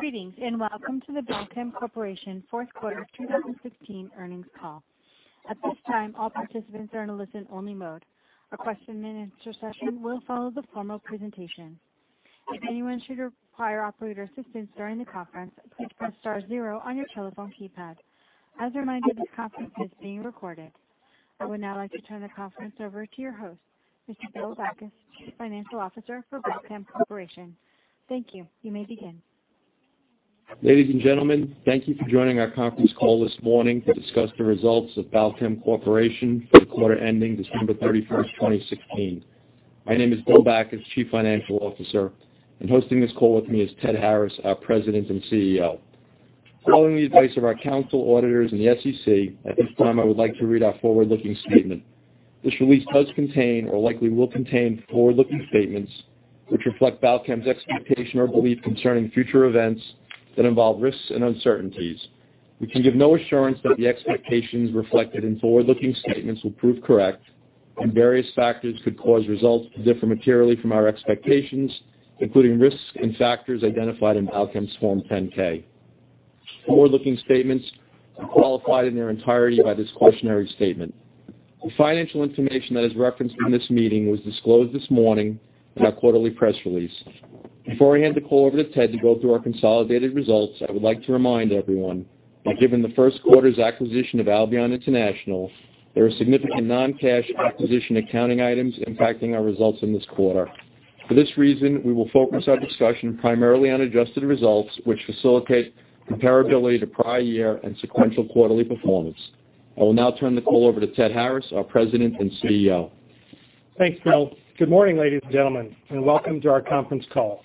Greetings, and welcome to the Balchem Corporation fourth quarter 2016 earnings call. At this time, all participants are in a listen-only mode. A question-and-answer session will follow the formal presentation. If anyone should require operator assistance during the conference, please press star zero on your telephone keypad. As a reminder, this conference is being recorded. I would now like to turn the conference over to your host, Mr. Bill Backus, Chief Financial Officer for Balchem Corporation. Thank you. You may begin. Ladies and gentlemen, thank you for joining our conference call this morning to discuss the results of Balchem Corporation for the quarter ending December 31st, 2016. My name is Bill Backus, Chief Financial Officer, and hosting this call with me is Ted Harris, our President and CEO. Following the advice of our council auditors and the SEC, at this time I would like to read our forward-looking statement. This release does contain or likely will contain forward-looking statements which reflect Balchem's expectation or belief concerning future events that involve risks and uncertainties. We can give no assurance that the expectations reflected in forward-looking statements will prove correct, and various factors could cause results to differ materially from our expectations, including risks and factors identified in Balchem's Form 10-K. Forward-looking statements are qualified in their entirety by this cautionary statement. The financial information that is referenced in this meeting was disclosed this morning in our quarterly press release. Before I hand the call over to Ted to go through our consolidated results, I would like to remind everyone that given the first quarter's acquisition of Albion International, there are significant non-cash acquisition accounting items impacting our results in this quarter. For this reason, we will focus our discussion primarily on adjusted results, which facilitate comparability to prior year and sequential quarterly performance. I will now turn the call over to Ted Harris, our President and CEO. Thanks, Bill. Good morning, ladies and gentlemen, and welcome to our conference call.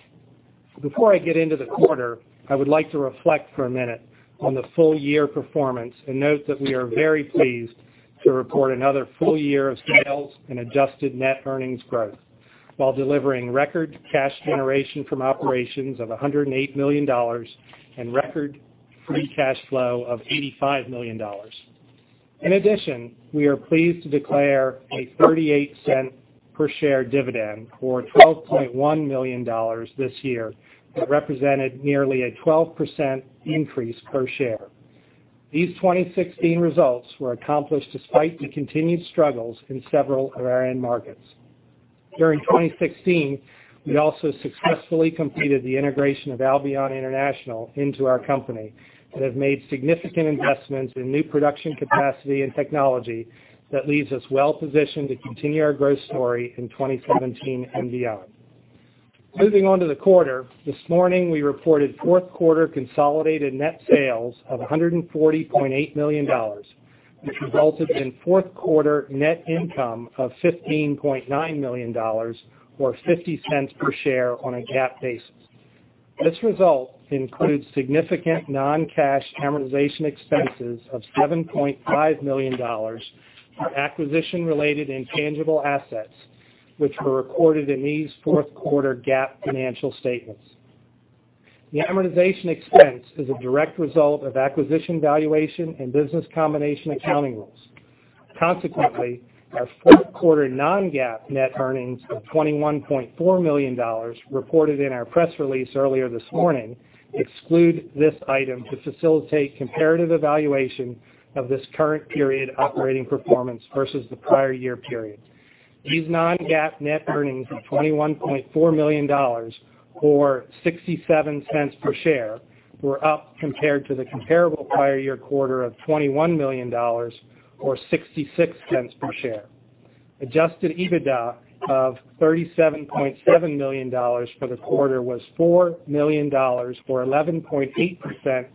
Before I get into the quarter, I would like to reflect for a minute on the full year performance and note that we are very pleased to report another full year of sales and adjusted net earnings growth while delivering record cash generation from operations of $108 million and record free cash flow of $85 million. In addition, we are pleased to declare a $0.38 per share dividend, or $12.1 million this year, that represented nearly a 12% increase per share. These 2016 results were accomplished despite the continued struggles in several of our end markets. During 2016, we also successfully completed the integration of Albion International into our company and have made significant investments in new production capacity and technology that leaves us well positioned to continue our growth story in 2017 and beyond. Moving on to the quarter, this morning, we reported fourth quarter consolidated net sales of $140.8 million, which resulted in fourth quarter net income of $15.9 million, or $0.50 per share on a GAAP basis. This result includes significant non-cash amortization expenses of $7.5 million for acquisition-related intangible assets, which were recorded in these fourth quarter GAAP financial statements. The amortization expense is a direct result of acquisition valuation and business combination accounting rules. Consequently, our fourth quarter non-GAAP net earnings of $21.4 million reported in our press release earlier this morning exclude this item to facilitate comparative evaluation of this current period operating performance versus the prior year period. These non-GAAP net earnings of $21.4 million, or $0.67 per share, were up compared to the comparable prior year quarter of $21 million or $0.66 per share. Adjusted EBITDA of $37.7 million for the quarter was $4 million, or 11.8%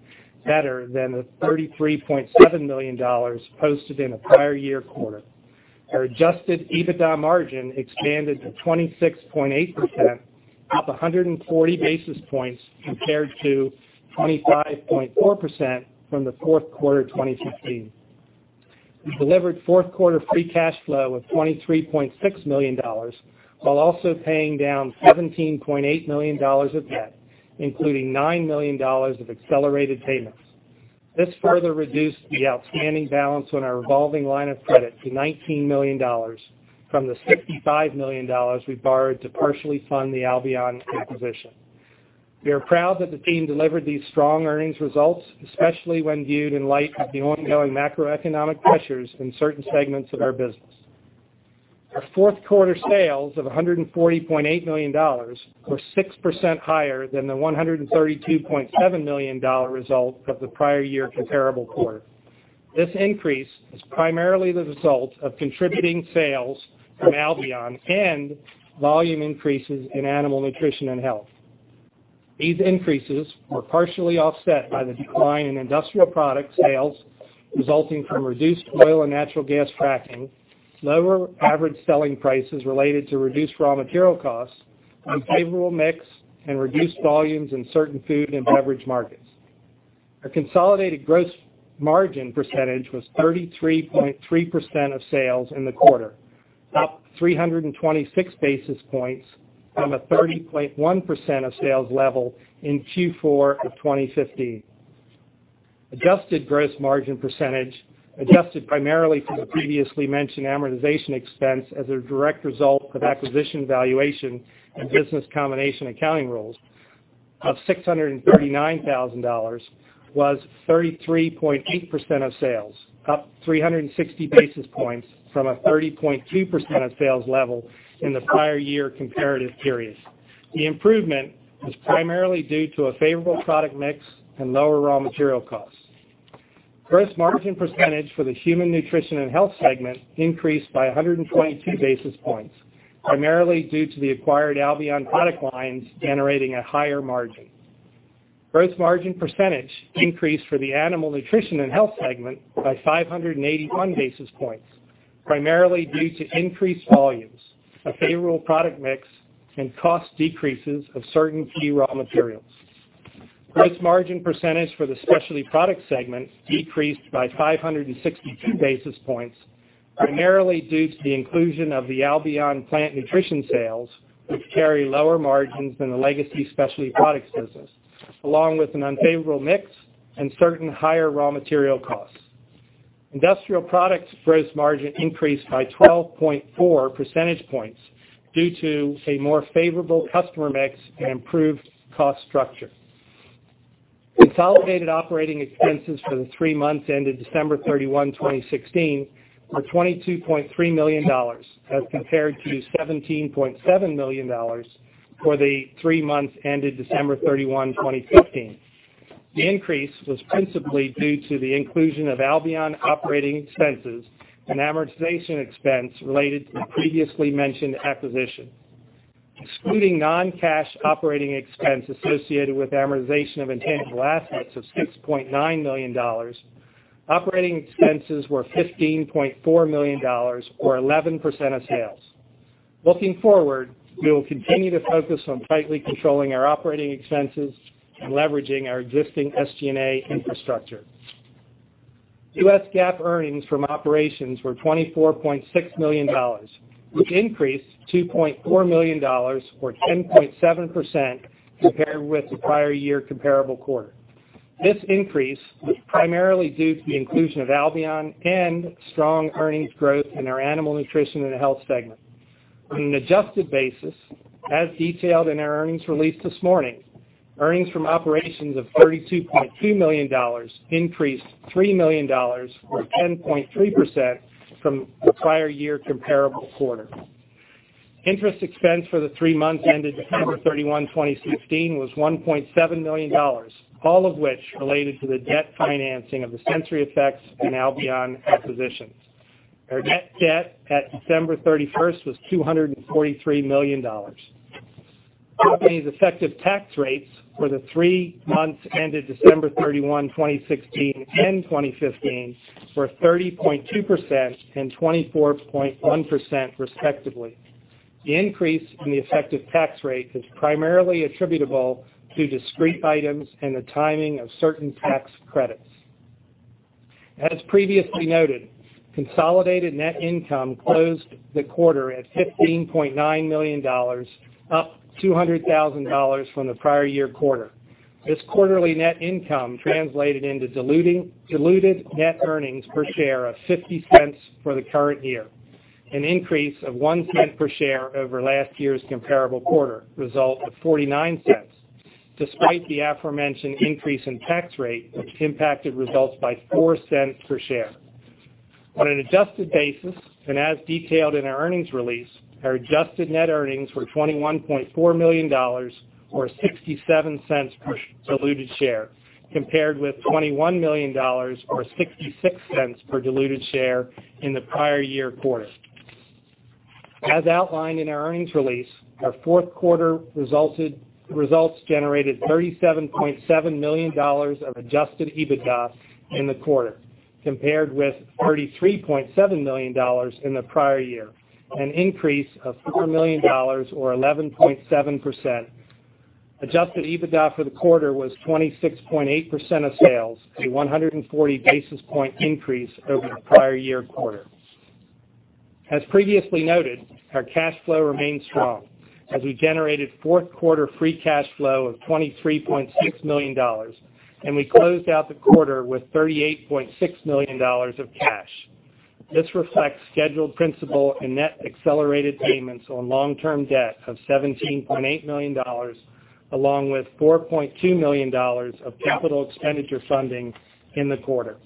better than the $33.7 million posted in the prior year quarter. Our adjusted EBITDA margin expanded to 26.8%, up 140 basis points compared to 25.4% from the fourth quarter 2015. We delivered fourth quarter free cash flow of $23.6 million while also paying down $17.8 million of debt, including $9 million of accelerated payments. This further reduced the outstanding balance on our revolving line of credit to $19 million from the $65 million we borrowed to partially fund the Albion acquisition. We are proud that the team delivered these strong earnings results, especially when viewed in light of the ongoing macroeconomic pressures in certain segments of our business. Our fourth quarter sales of $140.8 million were 6% higher than the $132.7 million result of the prior year comparable quarter. This increase is primarily the result of contributing sales from Albion and volume increases in Animal Nutrition & Health. These increases were partially offset by the decline in Industrial Products sales resulting from reduced oil and natural gas fracking, lower average selling prices related to reduced raw material costs, unfavorable mix, and reduced volumes in certain food and beverage markets. Our consolidated gross margin percentage was 33.3% of sales in the quarter. Up 326 basis points from a 30.1% of sales level in Q4 of 2015. Adjusted gross margin percentage, adjusted primarily from the previously mentioned amortization expense as a direct result of acquisition valuation and business combination accounting rules of $639,000 was 33.8% of sales, up 360 basis points from a 30.2% of sales level in the prior year comparative period. The improvement was primarily due to a favorable product mix and lower raw material costs. Gross margin percentage for the Human Nutrition & Health segment increased by 122 basis points, primarily due to the acquired Albion product lines generating a higher margin. Gross margin percentage increased for the Animal Nutrition & Health segment by 581 basis points, primarily due to increased volumes, a favorable product mix, and cost decreases of certain key raw materials. Gross margin percentage for the Specialty Products segment decreased by 562 basis points, primarily due to the inclusion of the Albion Plant Nutrition sales, which carry lower margins than the legacy Specialty Products business, along with an unfavorable mix and certain higher raw material costs. Industrial Products gross margin increased by 12.4 percentage points due to a more favorable customer mix and improved cost structure. Consolidated operating expenses for the three months ended December 31, 2016 were $22.3 million as compared to $17.7 million for the three months ended December 31, 2015. The increase was principally due to the inclusion of Albion operating expenses and amortization expense related to the previously mentioned acquisition. Excluding non-cash operating expense associated with amortization of intangible assets of $6.9 million, operating expenses were $15.4 million, or 11% of sales. Looking forward, we will continue to focus on tightly controlling our operating expenses and leveraging our existing SG&A infrastructure. U.S. GAAP earnings from operations were $24.6 million, which increased $2.4 million or 10.7% compared with the prior year comparable quarter. This increase was primarily due to the inclusion of Albion and strong earnings growth in our animal nutrition and health segment. On an adjusted basis, as detailed in our earnings release this morning, earnings from operations of $32.2 million increased $3 million or 10.3% from the prior year comparable quarter. Interest expense for the three months ended December 31, 2016 was $1.7 million, all of which related to the debt financing of the SensoryEffects and Albion acquisitions. Our net debt at December 31st was $243 million. The company's effective tax rates for the three months ended December 31, 2016 and 2015 were 30.2% and 24.1%, respectively. The increase in the effective tax rate is primarily attributable to discrete items and the timing of certain tax credits. As previously noted, consolidated net income closed the quarter at $15.9 million, up $200,000 from the prior year quarter. This quarterly net income translated into diluted net earnings per share of $0.50 for the current year, an increase of $0.01 per share over last year's comparable quarter result of $0.49, despite the aforementioned increase in tax rate, which impacted results by $0.04 per share. On an adjusted basis, as detailed in our earnings release, our adjusted net earnings were $21.4 million or $0.67 per diluted share, compared with $21 million or $0.66 per diluted share in the prior year quarter. As outlined in our earnings release, our fourth quarter results generated $37.7 million of adjusted EBITDA in the quarter, compared with $33.7 million in the prior year, an increase of $4 million or 11.7%. Adjusted EBITDA for the quarter was 26.8% of sales, a 140 basis point increase over the prior year quarter. As previously noted, our cash flow remains strong as we generated fourth quarter free cash flow of $23.6 million, and we closed out the quarter with $38.6 million of cash. This reflects scheduled principal and net accelerated payments on long-term debt of $17.8 million, along with $4.2 million of capital expenditure funding in the quarter.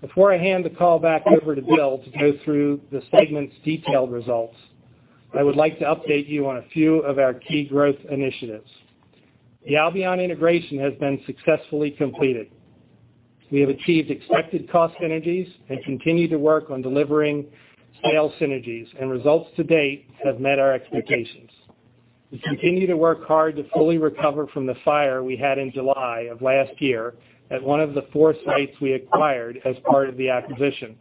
Before I hand the call back over to Bill to go through the segment's detailed results, I would like to update you on a few of our key growth initiatives. The Albion integration has been successfully completed. We have achieved expected cost synergies and continue to work on delivering sales synergies. Results to date have met our expectations. We continue to work hard to fully recover from the fire we had in July of last year at one of the four sites we acquired as part of the acquisition.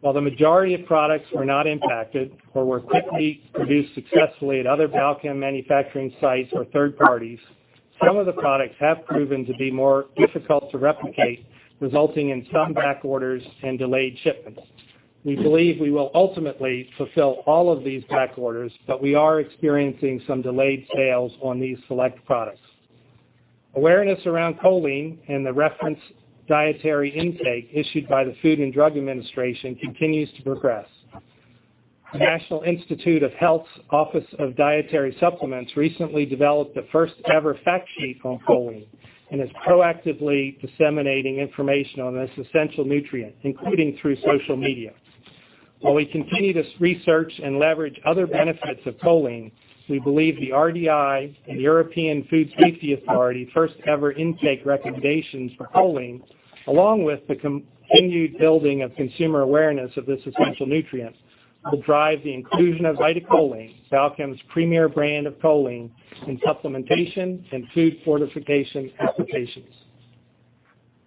While the majority of products were not impacted or were quickly produced successfully at other Balchem manufacturing sites or third parties, some of the products have proven to be more difficult to replicate, resulting in some back orders and delayed shipments. We believe we will ultimately fulfill all of these back orders, but we are experiencing some delayed sales on these select products. Awareness around choline and the reference dietary intake issued by the Food and Drug Administration continues to progress. The National Institutes of Health's Office of Dietary Supplements recently developed the first-ever fact sheet on choline and is proactively disseminating information on this essential nutrient, including through social media. While we continue this research and leverage other benefits of choline, we believe the RDI and the European Food Safety Authority first-ever intake recommendations for choline, along with the continued building of consumer awareness of this essential nutrient, will drive the inclusion of VitaCholine, Balchem's premier brand of choline, in supplementation and food fortification applications.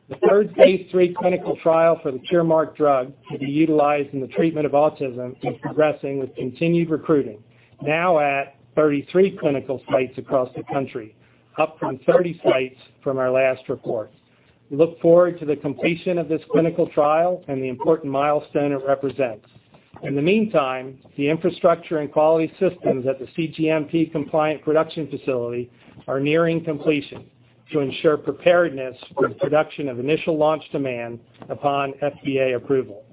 The third phase III clinical trial for the Curemark drug to be utilized in the treatment of autism is progressing with continued recruiting, now at 33 clinical sites across the country, up from 30 sites from our last report. We look forward to the completion of this clinical trial and the important milestone it represents. In the meantime, the infrastructure and quality systems at the cGMP-compliant production facility are nearing completion to ensure preparedness for the production of initial launch demand upon FDA approval.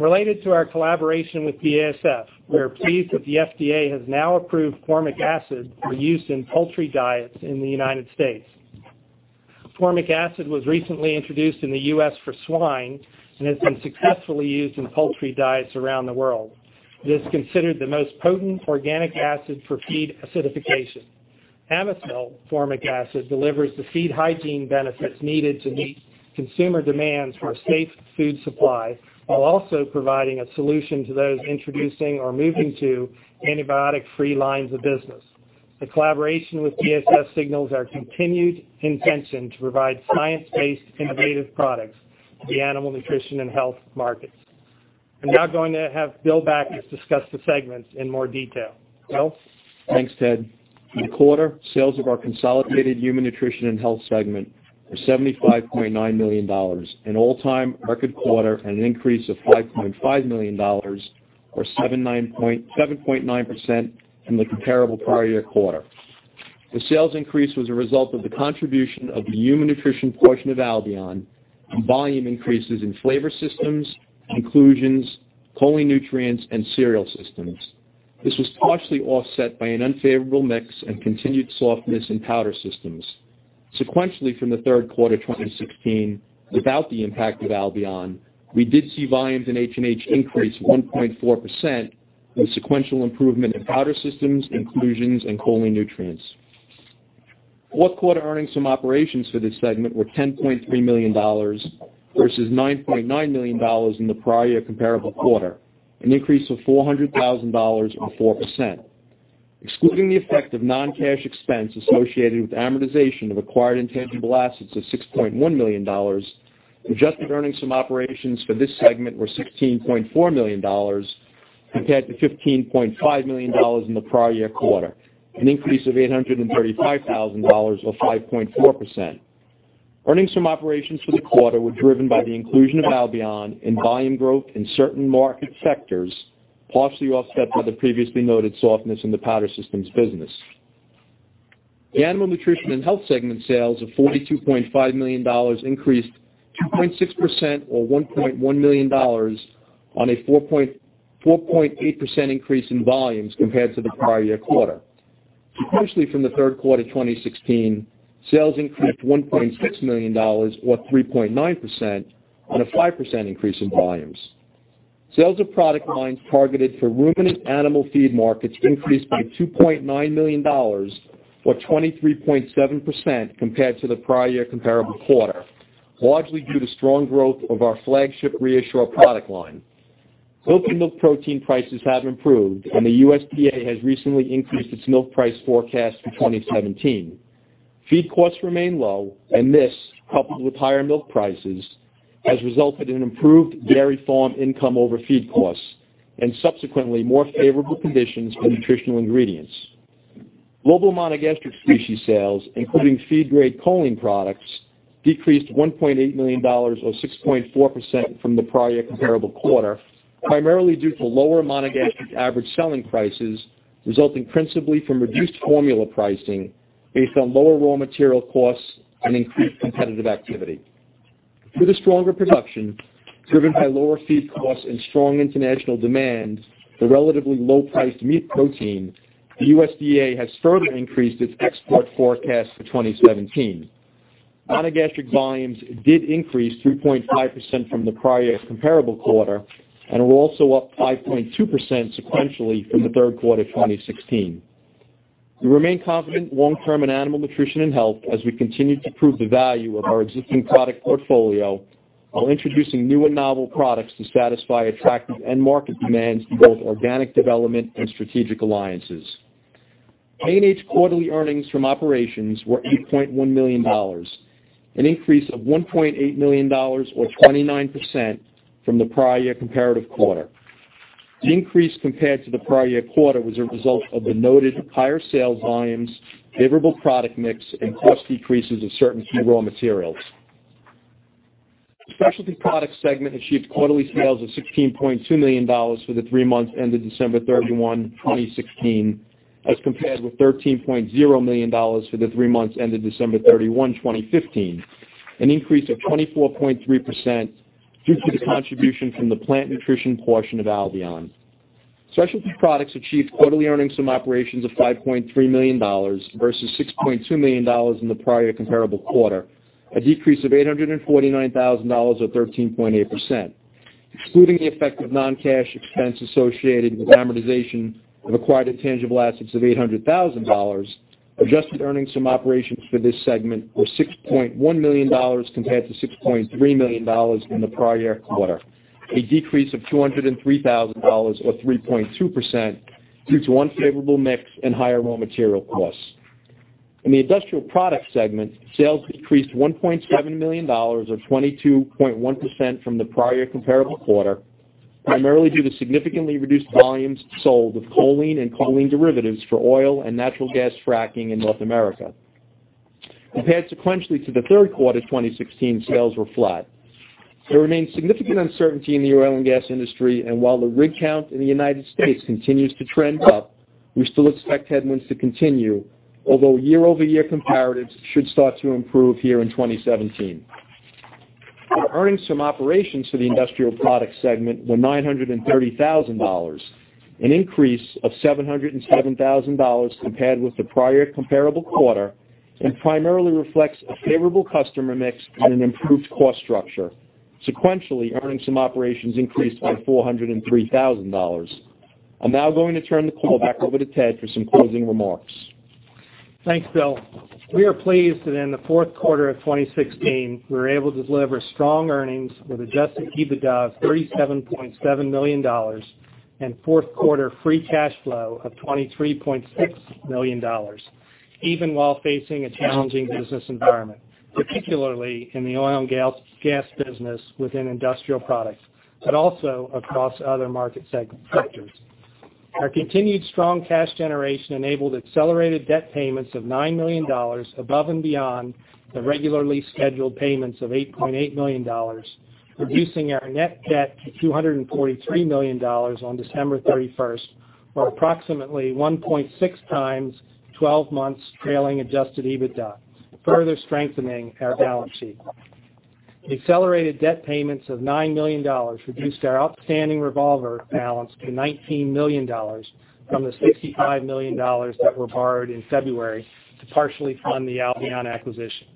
Related to our collaboration with BASF, we are pleased that the FDA has now approved formic acid for use in poultry diets in the United States. Formic acid was recently introduced in the U.S. for swine and has been successfully used in poultry diets around the world. It is considered the most potent organic acid for feed acidification. Amasil formic acid delivers the feed hygiene benefits needed to meet consumer demands for a safe food supply, while also providing a solution to those introducing or moving to antibiotic-free lines of business. The collaboration with BASF signals our continued intention to provide science-based, innovative products to the animal nutrition and health markets. I'm now going to have Bill Backus discuss the segments in more detail. Bill? Thanks, Ted. In the quarter, sales of our consolidated Human Nutrition & Health segment were $75.9 million, an all-time record quarter, and an increase of $5.5 million, or 7.9% in the comparable prior year quarter. The sales increase was a result of the contribution of the human nutrition portion of Albion and volume increases in flavor systems, inclusions, choline nutrients, and cereal systems. This was partially offset by an unfavorable mix and continued softness in powder systems. Sequentially from the third quarter 2016, without the impact of Albion, we did see volumes in H&H increase 1.4%, with sequential improvement in powder systems, inclusions, and choline nutrients. Fourth quarter earnings from operations for this segment were $10.3 million versus $9.9 million in the prior year comparable quarter, an increase of $400,000 or 4%. Excluding the effect of non-cash expense associated with amortization of acquired intangible assets of $6.1 million, adjusted earnings from operations for this segment were $16.4 million compared to $15.5 million in the prior year quarter, an increase of $835,000 or 5.4%. Earnings from operations for the quarter were driven by the inclusion of Albion and volume growth in certain market sectors, partially offset by the previously noted softness in the powder systems business. The animal nutrition and health segment sales of $42.5 million increased 2.6%, or $1.1 million on a 4.8% increase in volumes compared to the prior year quarter. Sequentially from the third quarter 2016, sales increased $1.6 million or 3.9% on a 5% increase in volumes. Sales of product lines targeted for ruminant animal feed markets increased by $2.9 million or 23.7% compared to the prior year comparable quarter, largely due to strong growth of our flagship ReaShure product line. Milk and milk protein prices have improved, and the USDA has recently increased its milk price forecast for 2017. Feed costs remain low, and this, coupled with higher milk prices, has resulted in improved dairy farm income over feed costs and subsequently more favorable conditions for nutritional ingredients. Global monogastric species sales, including feed-grade choline products, decreased $1.8 million or 6.4% from the prior year comparable quarter, primarily due to lower monogastric average selling prices, resulting principally from reduced formula pricing based on lower raw material costs and increased competitive activity. Due to stronger production driven by lower feed costs and strong international demand for relatively low-priced meat protein, the USDA has further increased its export forecast for 2017. Monogastric volumes did increase 3.5% from the prior year comparable quarter and were also up 5.2% sequentially from the third quarter 2016. We remain confident long-term in animal nutrition and health as we continue to prove the value of our existing product portfolio while introducing new and novel products to satisfy attractive end market demands through both organic development and strategic alliances. ANH quarterly earnings from operations were $8.1 million, an increase of $1.8 million or 29% from the prior year comparative quarter. The increase compared to the prior year quarter was a result of the noted higher sales volumes, favorable product mix, and cost decreases of certain key raw materials. The Specialty Products segment achieved quarterly sales of $16.2 million for the three months ended December 31, 2016, as compared with $13.0 million for the three months ended December 31, 2015, an increase of 24.3% due to the contribution from the plant nutrition portion of Albion. Specialty Products achieved quarterly earnings from operations of $5.3 million versus $6.2 million in the prior comparable quarter, a decrease of $849,000 or 13.8%. Excluding the effect of non-cash expense associated with amortization of acquired intangible assets of $800,000, adjusted earnings from operations for this segment were $6.1 million compared to $6.3 million in the prior quarter, a decrease of $203,000 or 3.2% due to unfavorable mix and higher raw material costs. In the Industrial Products segment, sales decreased $1.7 million or 22.1% from the prior comparable quarter, primarily due to significantly reduced volumes sold of choline and choline derivatives for oil and natural gas fracking in North America. Compared sequentially to the third quarter 2016, sales were flat. There remains significant uncertainty in the oil and gas industry, and while the rig count in the United States continues to trend up, we still expect headwinds to continue, although year-over-year comparatives should start to improve here in 2017. The earnings from operations to the Industrial Products segment were $930,000, an increase of $707,000 compared with the prior comparable quarter and primarily reflects a favorable customer mix and an improved cost structure. Sequentially, earnings from operations increased by $403,000. I'm now going to turn the call back over to Ted for some closing remarks. Thanks, Bill. We are pleased that in the fourth quarter of 2016, we were able to deliver strong earnings with adjusted EBITDA of $37.7 million and fourth quarter free cash flow of $23.6 million, even while facing a challenging business environment, particularly in the oil and gas business within Industrial Products, but also across other market sectors. Our continued strong cash generation enabled accelerated debt payments of $9 million above and beyond the regularly scheduled payments of $8.8 million, reducing our net debt to $243 million on December 31, or approximately 1.6 times 12 months trailing adjusted EBITDA, further strengthening our balance sheet. Accelerated debt payments of $9 million reduced our outstanding revolver balance to $19 million from the $65 million that were borrowed in February to partially fund the Albion acquisition.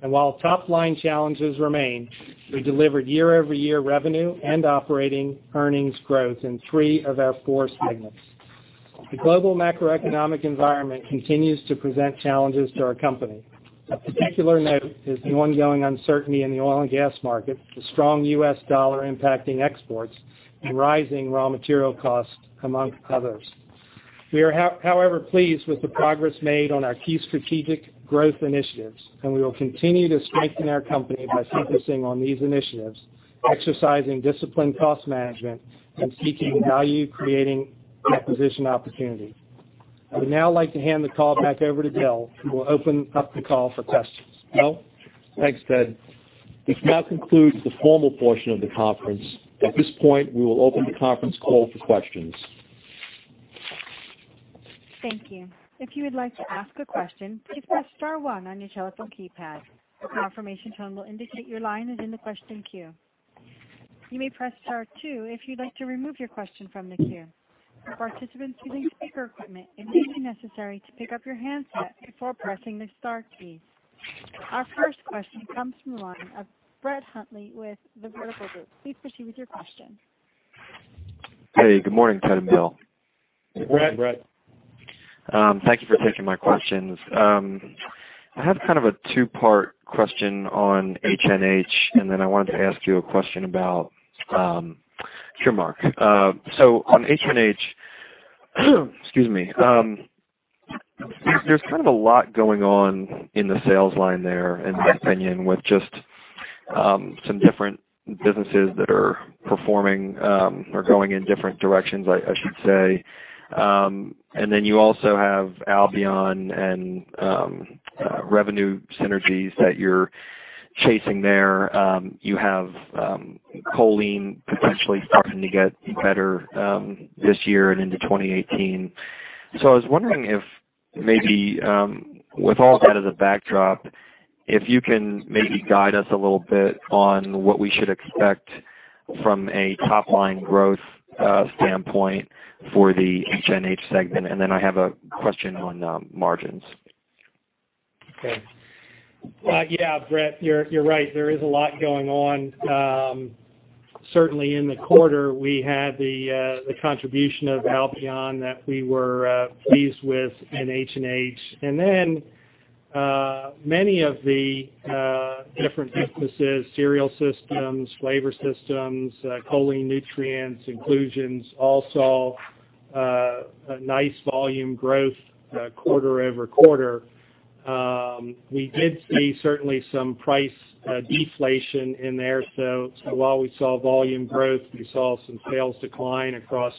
While top-line challenges remain, we delivered year-over-year revenue and operating earnings growth in three of our four segments. The global macroeconomic environment continues to present challenges to our company. Of particular note is the ongoing uncertainty in the oil and gas market, the strong U.S. dollar impacting exports, and rising raw material costs, among others. We are, however, pleased with the progress made on our key strategic growth initiatives, and we will continue to strengthen our company by focusing on these initiatives, exercising disciplined cost management, and seeking value-creating acquisition opportunities. I would now like to hand the call back over to Bill, who will open up the call for questions. Bill? Thanks, Ted. This now concludes the formal portion of the conference. At this point, we will open the conference call for questions. Thank you. If you would like to ask a question, please press star one on your telephone keypad. A confirmation tone will indicate your line is in the question queue. You may press star two if you'd like to remove your question from the queue. For participants using speaker equipment, it may be necessary to pick up your handset before pressing the star key. Our first question comes from the line of Brett Hundley with The Vertical Group. Please proceed with your question. Hey, good morning, Ted and Bill. Hey, Brett. Hey, Brett. Thank you for taking my questions. I have kind of a two-part question on HNH. Then I wanted to ask you a question about Curemark. On HNH, excuse me. There's kind of a lot going on in the sales line there, in my opinion, with just some different businesses that are performing or going in different directions, I should say. You also have Albion and revenue synergies that you're chasing there. You have choline potentially starting to get better this year and into 2018. I was wondering if maybe, with all that as a backdrop, if you can maybe guide us a little bit on what we should expect from a top-line growth standpoint for the HNH segment. Then I have a question on margins. Okay. Yeah, Brett, you're right. There is a lot going on. Certainly in the quarter, we had the contribution of Albion that we were pleased with in HNH. Many of the different businesses, Cereal Systems, Flavor Systems, Choline, Nutrients, Inclusions, Alsol. A nice volume growth quarter-over-quarter. We did see certainly some price deflation in there. While we saw volume growth, we saw some sales decline across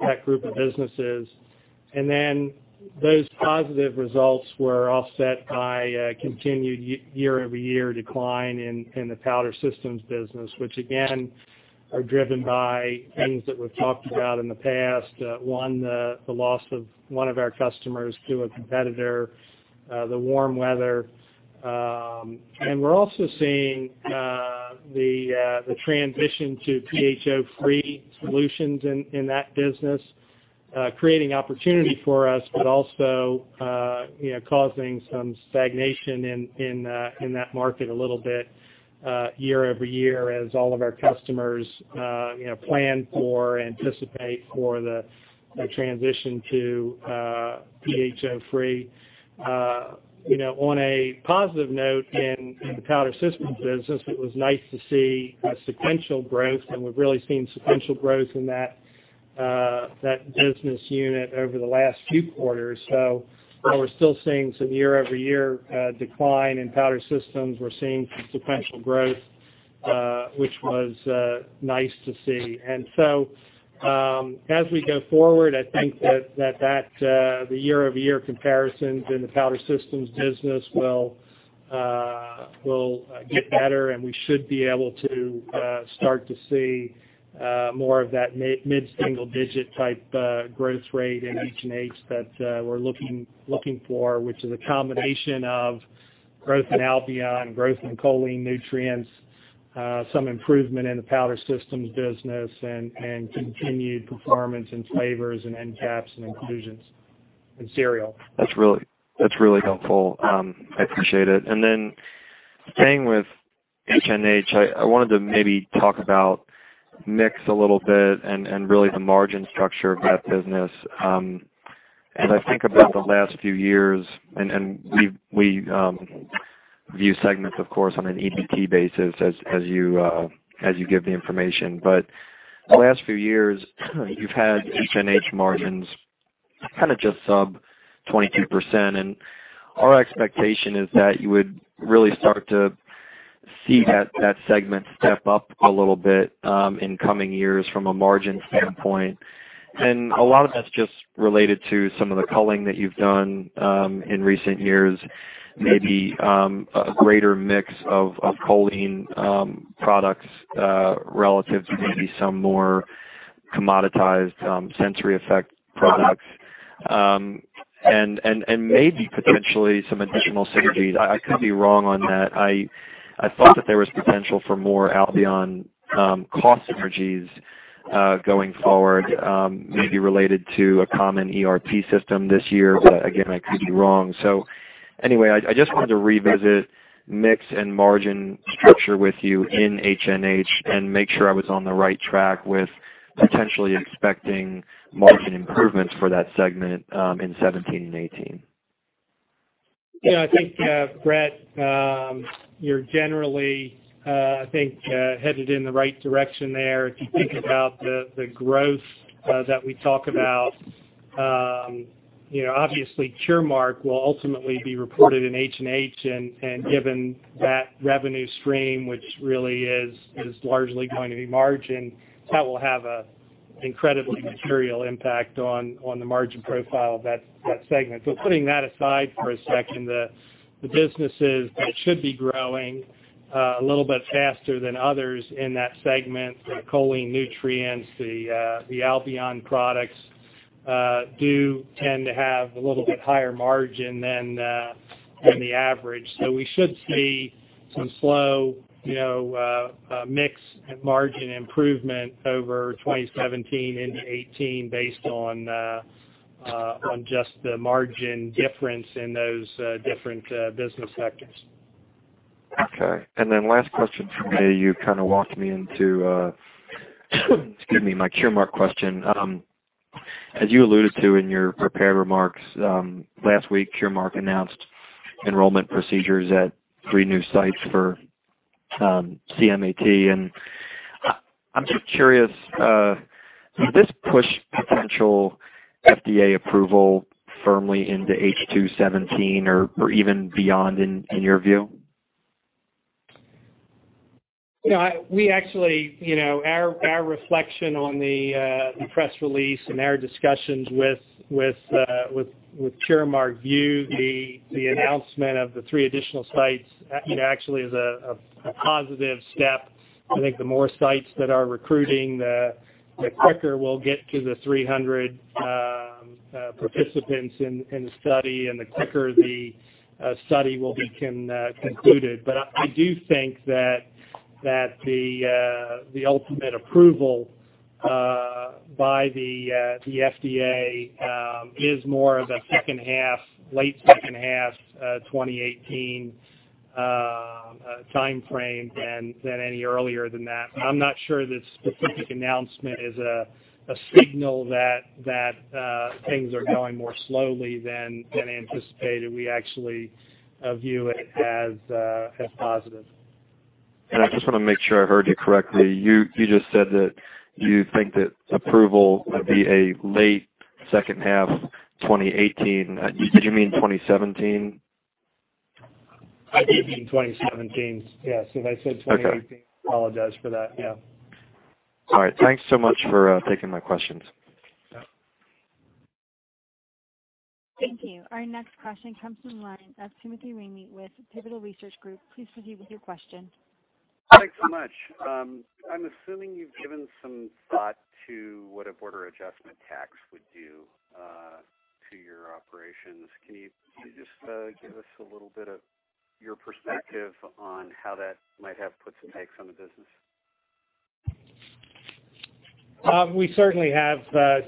that group of businesses. Those positive results were offset by a continued year-over-year decline in the powder systems business, which again, are driven by things that we've talked about in the past. One, the loss of one of our customers to a competitor, the warm weather. We're also seeing the transition to PHO-free solutions in that business, creating opportunity for us, but also causing some stagnation in that market a little bit year-over-year as all of our customers plan for, anticipate for the transition to PHO-free. On a positive note, in the powder systems business, it was nice to see sequential growth, and we've really seen sequential growth in that business unit over the last few quarters. While we're still seeing some year-over-year decline in powder systems, we're seeing some sequential growth, which was nice to see. As we go forward, I think that the year-over-year comparisons in the powder systems business will get better, and we should be able to start to see more of that mid-single-digit type growth rate in HNH that we're looking for, which is a combination of growth in Albion, growth in choline nutrients, some improvement in the powder systems business, and continued performance in flavors and end caps and inclusions and cereal. That's really helpful. I appreciate it. Staying with HNH, I wanted to maybe talk about mix a little bit and really the margin structure of that business. As I think about the last few years, we view segments, of course, on an EBT basis as you give the information. The last few years, you've had HNH margins kind of just sub 22%, and our expectation is that you would really start to see that segment step up a little bit in coming years from a margin standpoint. A lot of that's just related to some of the culling that you've done in recent years, maybe a greater mix of choline products, relative to maybe some more commoditized SensoryEffects products. Maybe potentially some additional synergies. I could be wrong on that. I thought that there was potential for more Albion cost synergies, going forward, maybe related to a common ERP system this year. Again, I could be wrong. Anyway, I just wanted to revisit mix and margin structure with you in HNH and make sure I was on the right track with potentially expecting margin improvements for that segment in 2017 and 2018. Brett, you're generally, I think, headed in the right direction there. If you think about the growth that we talk about, obviously Curemark will ultimately be reported in HNH. Given that revenue stream, which really is largely going to be margin, that will have an incredibly material impact on the margin profile of that segment. Putting that aside for a second, the businesses that should be growing a little bit faster than others in that segment, the choline nutrients, the Albion products, do tend to have a little bit higher margin than the average. We should see some slow mix and margin improvement over 2017 into 2018 based on just the margin difference in those different business sectors. Okay. Last question from me, you kind of walked me into excuse me, my Curemark question. As you alluded to in your prepared remarks, last week, Curemark announced enrollment procedures at three new sites for CM-AT. I'm just curious, would this push potential FDA approval firmly into H2 2017 or even beyond, in your view? Our reflection on the press release and our discussions with Curemark view the announcement of the three additional sites actually as a positive step. I think the more sites that are recruiting, the quicker we will get to the 300 participants in the study, and the quicker the study will be concluded. I do think that the ultimate approval by the FDA is more of a late second half 2018 timeframe than any earlier than that. I am not sure this specific announcement is a signal that things are going more slowly than anticipated. We actually view it as positive. I just want to make sure I heard you correctly. You just said that you think that approval would be a late second half 2018. Did you mean 2017? I did mean 2017. Yes, if I said 2018, I apologize for that. Yeah. All right. Thanks so much for taking my questions. Yeah. Thank you. Our next question comes from the line of Timothy Ramey with Pivotal Research Group. Please proceed with your question. Thanks so much. I'm assuming you've given some thought to what a border adjustment tax would do to your operations. Can you just give us a little bit of your perspective on how that might have puts and takes on the business? We certainly have.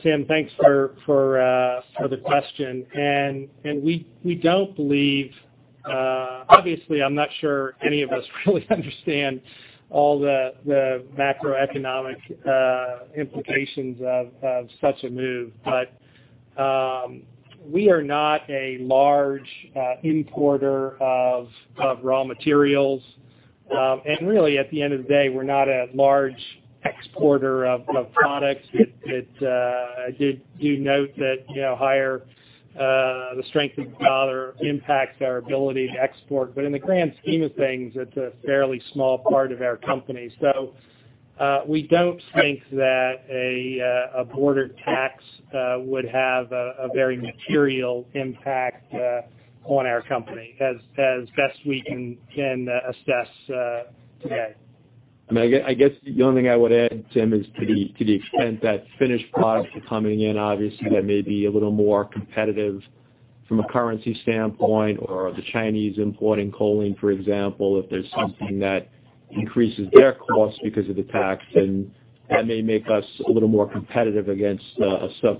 Tim, thanks for the question. We don't believe Obviously, I'm not sure any of us really understand all the macroeconomic implications of such a move. We are not a large importer of raw materials. Really, at the end of the day, we're not a large exporter of products. I did note that the strength of the dollar impacts our ability to export. In the grand scheme of things, it's a fairly small part of our company. We don't think that a border tax would have a very material impact on our company, as best we can assess today. I guess the only thing I would add, Tim, is to the extent that finished products are coming in, obviously that may be a little more competitive from a currency standpoint. The Chinese importing choline, for example, if there's something that increases their cost because of the tax, then that may make us a little more competitive against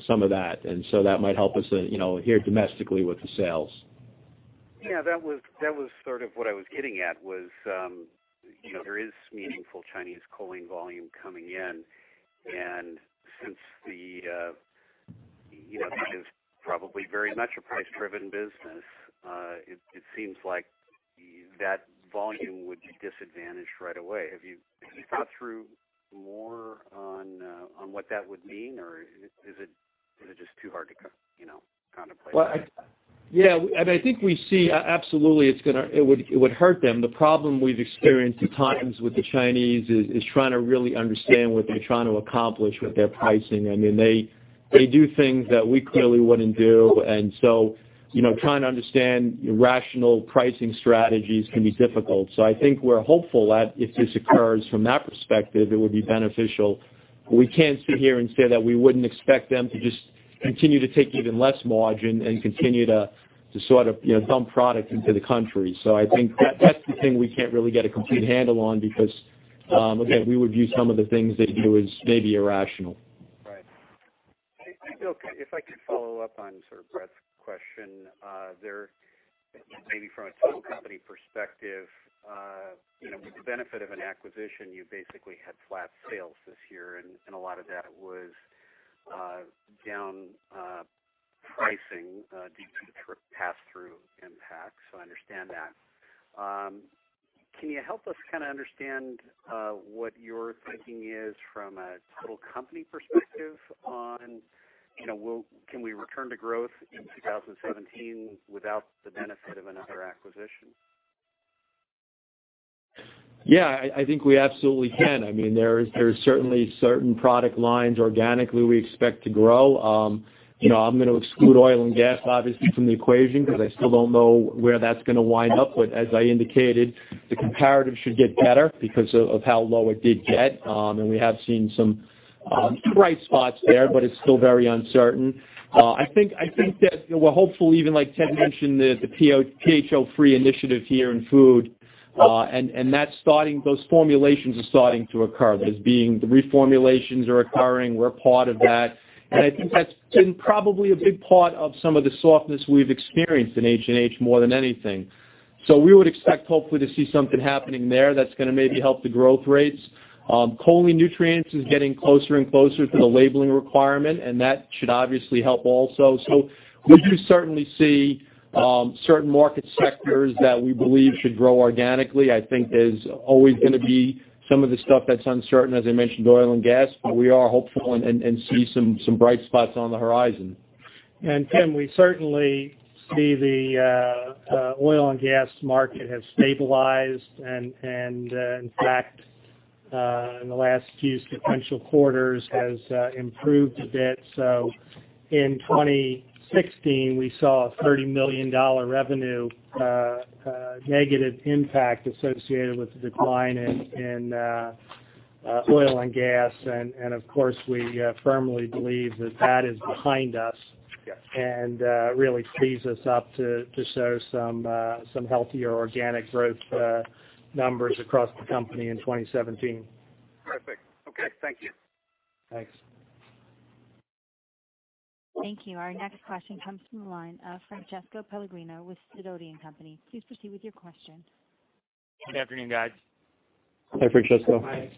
some of that. That might help us here domestically with the sales. That was sort of what I was getting at, was there is meaningful Chinese choline volume coming in. Since this is probably very much a price-driven business, it seems like that volume would be disadvantaged right away. Have you thought through more on what that would mean, or is it just too hard to contemplate? Yeah. I think we see absolutely it would hurt them. The problem we've experienced at times with the Chinese is trying to really understand what they're trying to accomplish with their pricing. They do things that we clearly wouldn't do. Trying to understand rational pricing strategies can be difficult. I think we're hopeful that if this occurs from that perspective, it would be beneficial. We can't sit here and say that we wouldn't expect them to just continue to take even less margin and continue to sort of dump product into the country. I think that's the thing we can't really get a complete handle on because, again, we would view some of the things they do as maybe irrational. Right. Hey, Bill, if I could follow up on sort of Brett's question there. Maybe from a total company perspective, with the benefit of an acquisition, you basically had flat sales this year, and a lot of that was down pricing due to pass-through impact. I understand that. Can you help us kind of understand what your thinking is from a total company perspective on can we return to growth in 2017 without the benefit of another acquisition? Yeah, I think we absolutely can. There are certainly certain product lines organically we expect to grow. I'm going to exclude oil and gas, obviously, from the equation because I still don't know where that's going to wind up. As I indicated, the comparative should get better because of how low it did get. We have seen some bright spots there, but it's still very uncertain. I think that we're hopeful, even like Ted mentioned, the PHO-free initiative here in food. Those formulations are starting to occur. That is, the reformulations are occurring. We're part of that. I think that's been probably a big part of some of the softness we've experienced in H&H more than anything. We would expect, hopefully, to see something happening there that's going to maybe help the growth rates. Choline nutrients is getting closer and closer to the labeling requirement, and that should obviously help also. We do certainly see certain market sectors that we believe should grow organically. I think there is always going to be some of the stuff that is uncertain, as I mentioned, oil and gas. We are hopeful and see some bright spots on the horizon. Tim, we certainly see the oil and gas market has stabilized and, in fact, in the last few sequential quarters has improved a bit. In 2016, we saw a $30 million revenue negative impact associated with the decline in oil and gas. Of course, we firmly believe that that is behind us. Yes. Really frees us up to show some healthier organic growth numbers across the company in 2017. Perfect. Okay. Thank you. Thanks. Thank you. Our next question comes from the line of Francesco Pellegrino with Sidoti & Company. Please proceed with your question. Good afternoon, guys. Hi, Francesco. I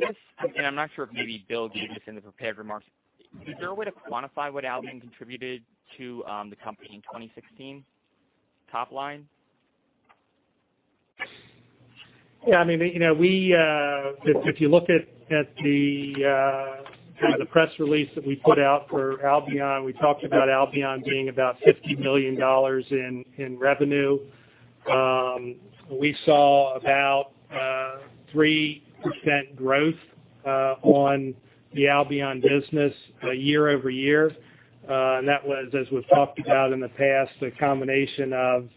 guess, and I'm not sure if maybe Bill gave this in the prepared remarks, is there a way to quantify what Albion contributed to the company in 2016 top line? Yeah. If you look at the press release that we put out for Albion, we talked about Albion being about $50 million in revenue. We saw about 3% growth on the Albion business year-over-year. That was, as we've talked about in the past, a combination of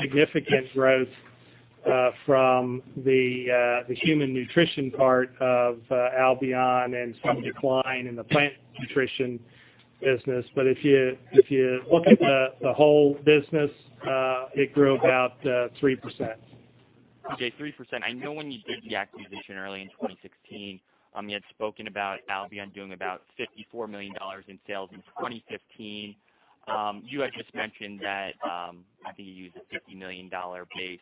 significant growth from the human nutrition part of Albion and some decline in the plant nutrition business. If you look at the whole business, it grew about 3%. Okay, 3%. I know when you did the acquisition early in 2016, you had spoken about Albion doing about $54 million in sales in 2015. You had just mentioned that, I think you used a $50 million base.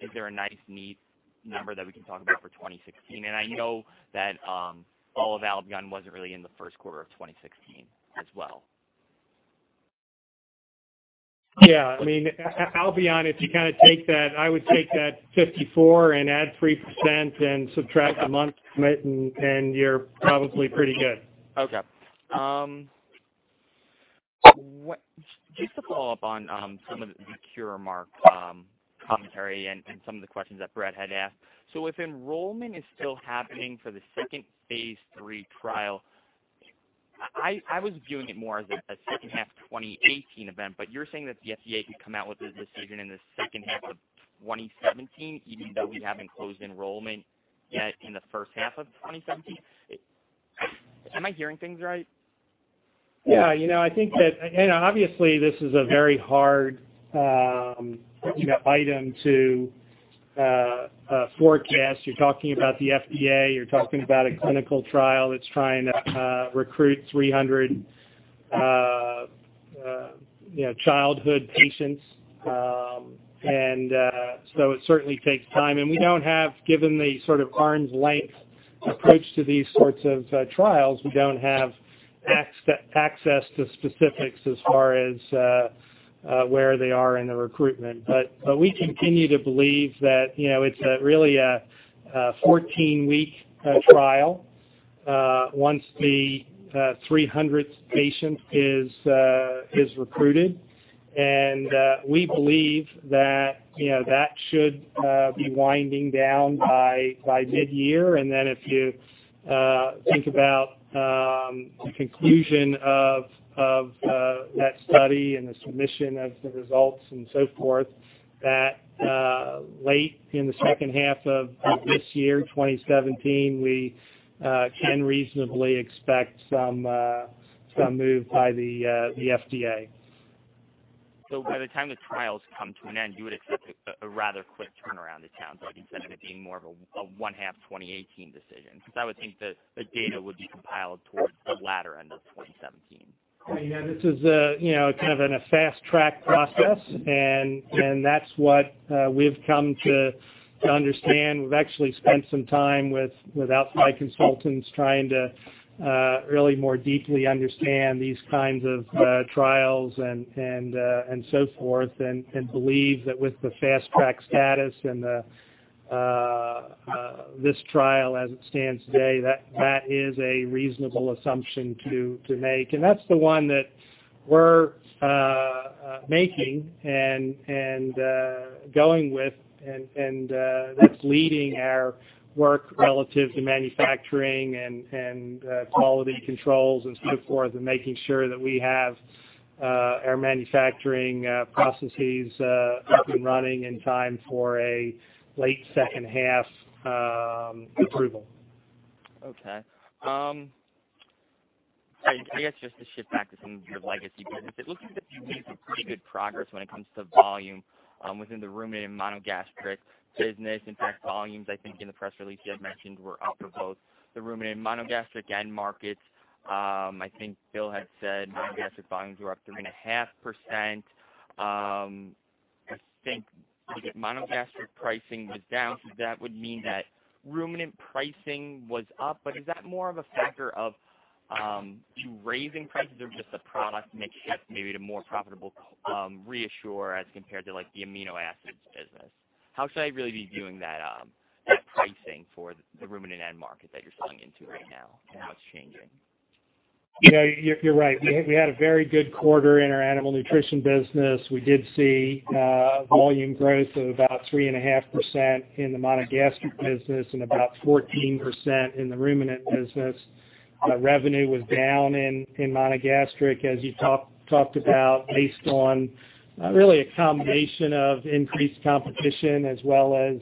Is there a nice, neat number that we can talk about for 2016? I know that all of Albion wasn't really in the first quarter of 2016 as well. Yeah. Albion, I would take that $54 and add 3% and subtract a month from it, and you're probably pretty good. Okay. Just to follow up on some of the Curemark commentary and some of the questions that Brett had asked. If enrollment is still happening for the second phase III trial, I was viewing it more as a second half of 2018 event, you're saying that the FDA could come out with a decision in the second half of 2017, even though we haven't closed enrollment yet in the first half of 2017. Am I hearing things right? Yeah. Obviously, this is a very hard item to forecast. You're talking about the FDA, you're talking about a clinical trial that's trying to recruit 300 childhood patients. It certainly takes time, and given the sort of arm's length approach to these sorts of trials, we don't have access to specifics as far as where they are in the recruitment. We continue to believe that it's really a 14-week trial once the 300th patient is recruited. We believe that should be winding down by mid-year. Then if you think about the conclusion of that study and the submission of the results and so forth, that late in the second half of this year, 2017, we can reasonably expect some move by the FDA. By the time the trials come to an end, you would expect a rather quick turnaround in town. Instead of it being more of a one half 2018 decision, because I would think the data would be compiled towards the latter end of 2017. This is kind of in a fast-track process, and that's what we've come to understand. We've actually spent some time with outside consultants trying to really more deeply understand these kinds of trials and so forth, and believe that with the fast-track status and this trial as it stands today, that is a reasonable assumption to make. That's the one that we're making and going with, and that's leading our work relative to manufacturing and quality controls and so forth, and making sure that we have our manufacturing processes up and running in time for a late second half approval. Okay. Maybe I should just shift back to some of your legacy business. It looks like you've made some pretty good progress when it comes to volume within the ruminant monogastric business. In fact, volumes, I think in the press release you had mentioned, were up for both the ruminant monogastric end markets. I think Bill had said monogastric volumes were up 3.5%. I think monogastric pricing was down, so that would mean that ruminant pricing was up. Is that more of a factor of you raising prices or just a product mix shift, maybe to more profitable ReaShure as compared to the amino acids business? How should I really be viewing that pricing for the ruminant end market that you're selling into right now, and what's changing? You're right. We had a very good quarter in our animal nutrition business. We did see volume growth of about 3.5% in the monogastric business and about 14% in the ruminant business. Revenue was down in monogastric, as you talked about, based on really a combination of increased competition as well as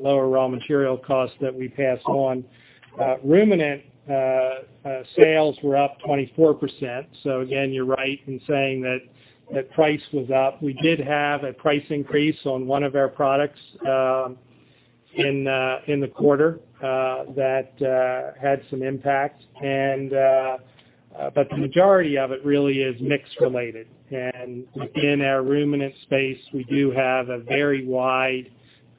lower raw material costs that we passed on. Ruminant sales were up 24%. Again, you're right in saying that price was up. We did have a price increase on one of our products in the quarter that had some impact. The majority of it really is mix-related. Within our ruminant space, we do have a very wide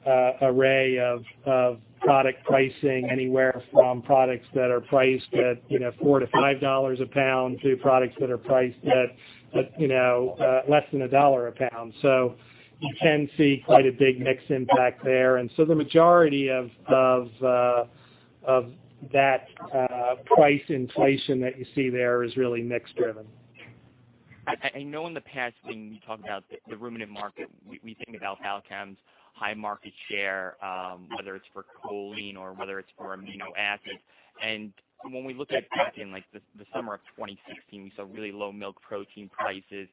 array of product pricing, anywhere from products that are priced at $4 to $5 a pound, to products that are priced at less than a dollar a pound. You can see quite a big mix impact there. The majority of that price inflation that you see there is really mix-driven. I know in the past, when you talked about the ruminant market, we think about Balchem's high market share, whether it's for choline or whether it's for amino acids. When we look at back in the summer of 2016, we saw really low milk protein prices.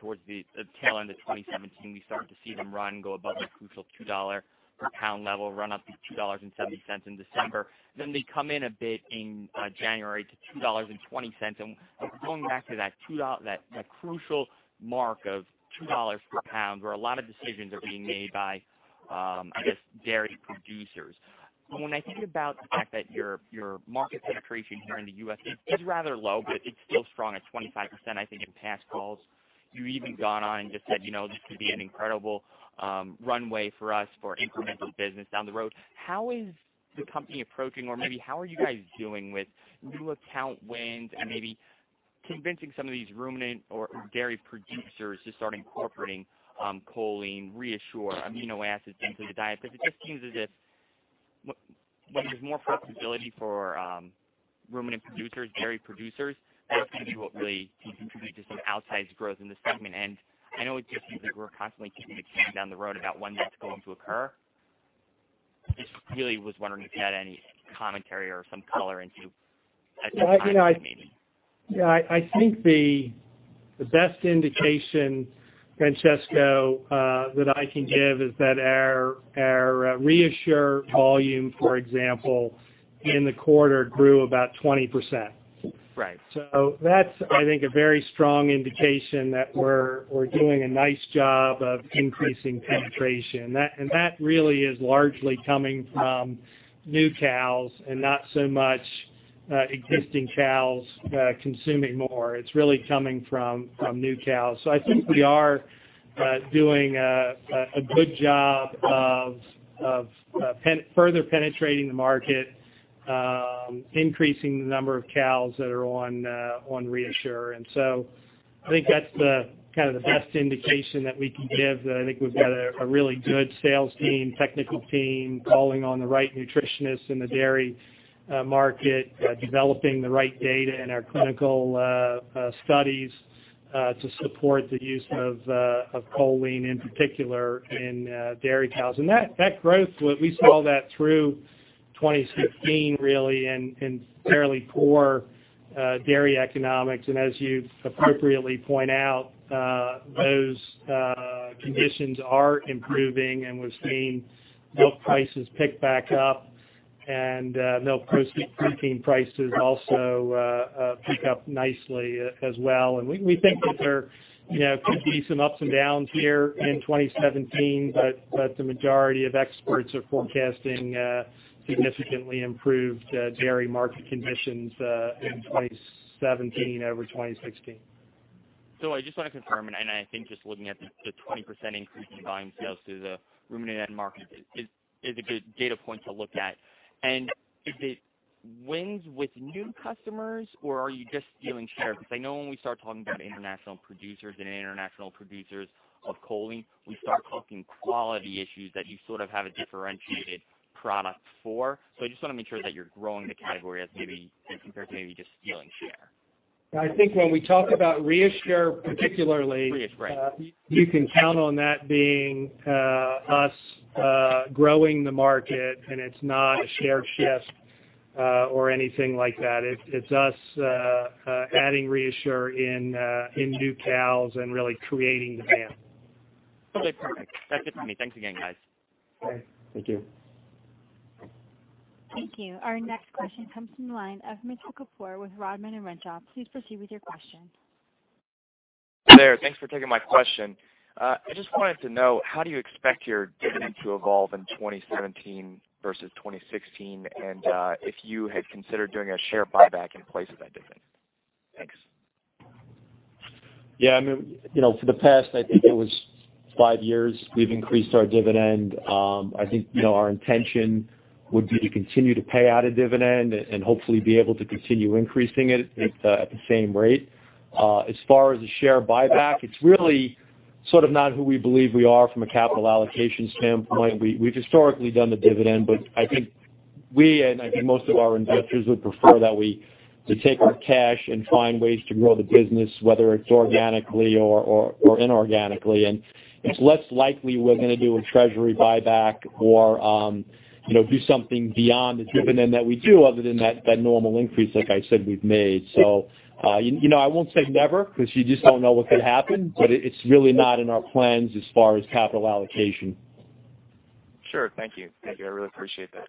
Towards the tail end of 2017, we started to see them run, go above the crucial $2 per pound level, run up to $2.70 in December. They come in a bit in January to $2.20. Going back to that crucial mark of $2 per pound, where a lot of decisions are being made by, I guess, dairy producers. When I think about the fact that your market penetration here in the U.S. is rather low, but it's still strong at 25%, I think, in past calls. You even gone on and just said, "This could be an incredible runway for us for incremental business down the road." How is the company approaching, or maybe how are you guys doing with new account wins and maybe convincing some of these ruminant or dairy producers to start incorporating choline, ReaShure amino acids into the diet? It just seems as if there's more profitability for ruminant producers, dairy producers, that can really contribute to some outsized growth in this segment. I know it just seems like we're constantly kicking the can down the road about when that's going to occur. Just really was wondering if you had any commentary or some color into that timing, maybe. Yeah, I think the best indication, Francesco, that I can give is that our ReaShure volume, for example, in the quarter grew about 20%. Right. That's, I think, a very strong indication that we're doing a nice job of increasing penetration. That really is largely coming from new cows and not so much existing cows consuming more. It's really coming from new cows. I think we are doing a good job of further penetrating the market, increasing the number of cows that are on ReaShure. I think that's the best indication that we can give, that I think we've got a really good sales team, technical team calling on the right nutritionist in the dairy market, developing the right data in our clinical studies to support the use of choline, in particular, in dairy cows. That growth, we saw that through 2016, really, in fairly poor dairy economics. As you appropriately point out, those conditions are improving, and we're seeing milk prices pick back up and milk protein prices also pick up nicely as well. We think that there could be some ups and downs here in 2017, but the majority of experts are forecasting significantly improved dairy market conditions in 2017 over 2016. I just want to confirm, and I think just looking at the 20% increase in volume sales through the ruminant end market is a good data point to look at. Is it wins with new customers, or are you just stealing share? Because I know when we start talking about international producers and international producers of choline, we start talking quality issues that you sort of have a differentiated product for. I just want to make sure that you're growing the category as compared to maybe just stealing share. I think when we talk about ReaShure, particularly. ReaShure, right. You can count on that being us growing the market, and it's not a share shift or anything like that. It's us adding ReaShure in new cows and really creating demand. Okay, perfect. That's it for me. Thanks again, guys. Okay. Thank you. Thank you. Our next question comes from the line of Mitchell Kapoor with Rodman & Renshaw. Please proceed with your question. Hey there. Thanks for taking my question. I just wanted to know, how do you expect your dividend to evolve in 2017 versus 2016, and if you had considered doing a share buyback in place of that dividend? Thanks. Yeah, for the past, I think it was five years, we've increased our dividend. I think our intention would be to continue to pay out a dividend and hopefully be able to continue increasing it at the same rate. As far as the share buyback, it's really sort of not who we believe we are from a capital allocation standpoint. We've historically done the dividend, but I think we and I think most of our investors would prefer that we to take our cash and find ways to grow the business, whether it's organically or inorganically. It's less likely we're going to do a treasury buyback or do something beyond the dividend that we do other than that normal increase like I said we've made. I won't say never because you just don't know what could happen, but it's really not in our plans as far as capital allocation. Sure. Thank you. I really appreciate that.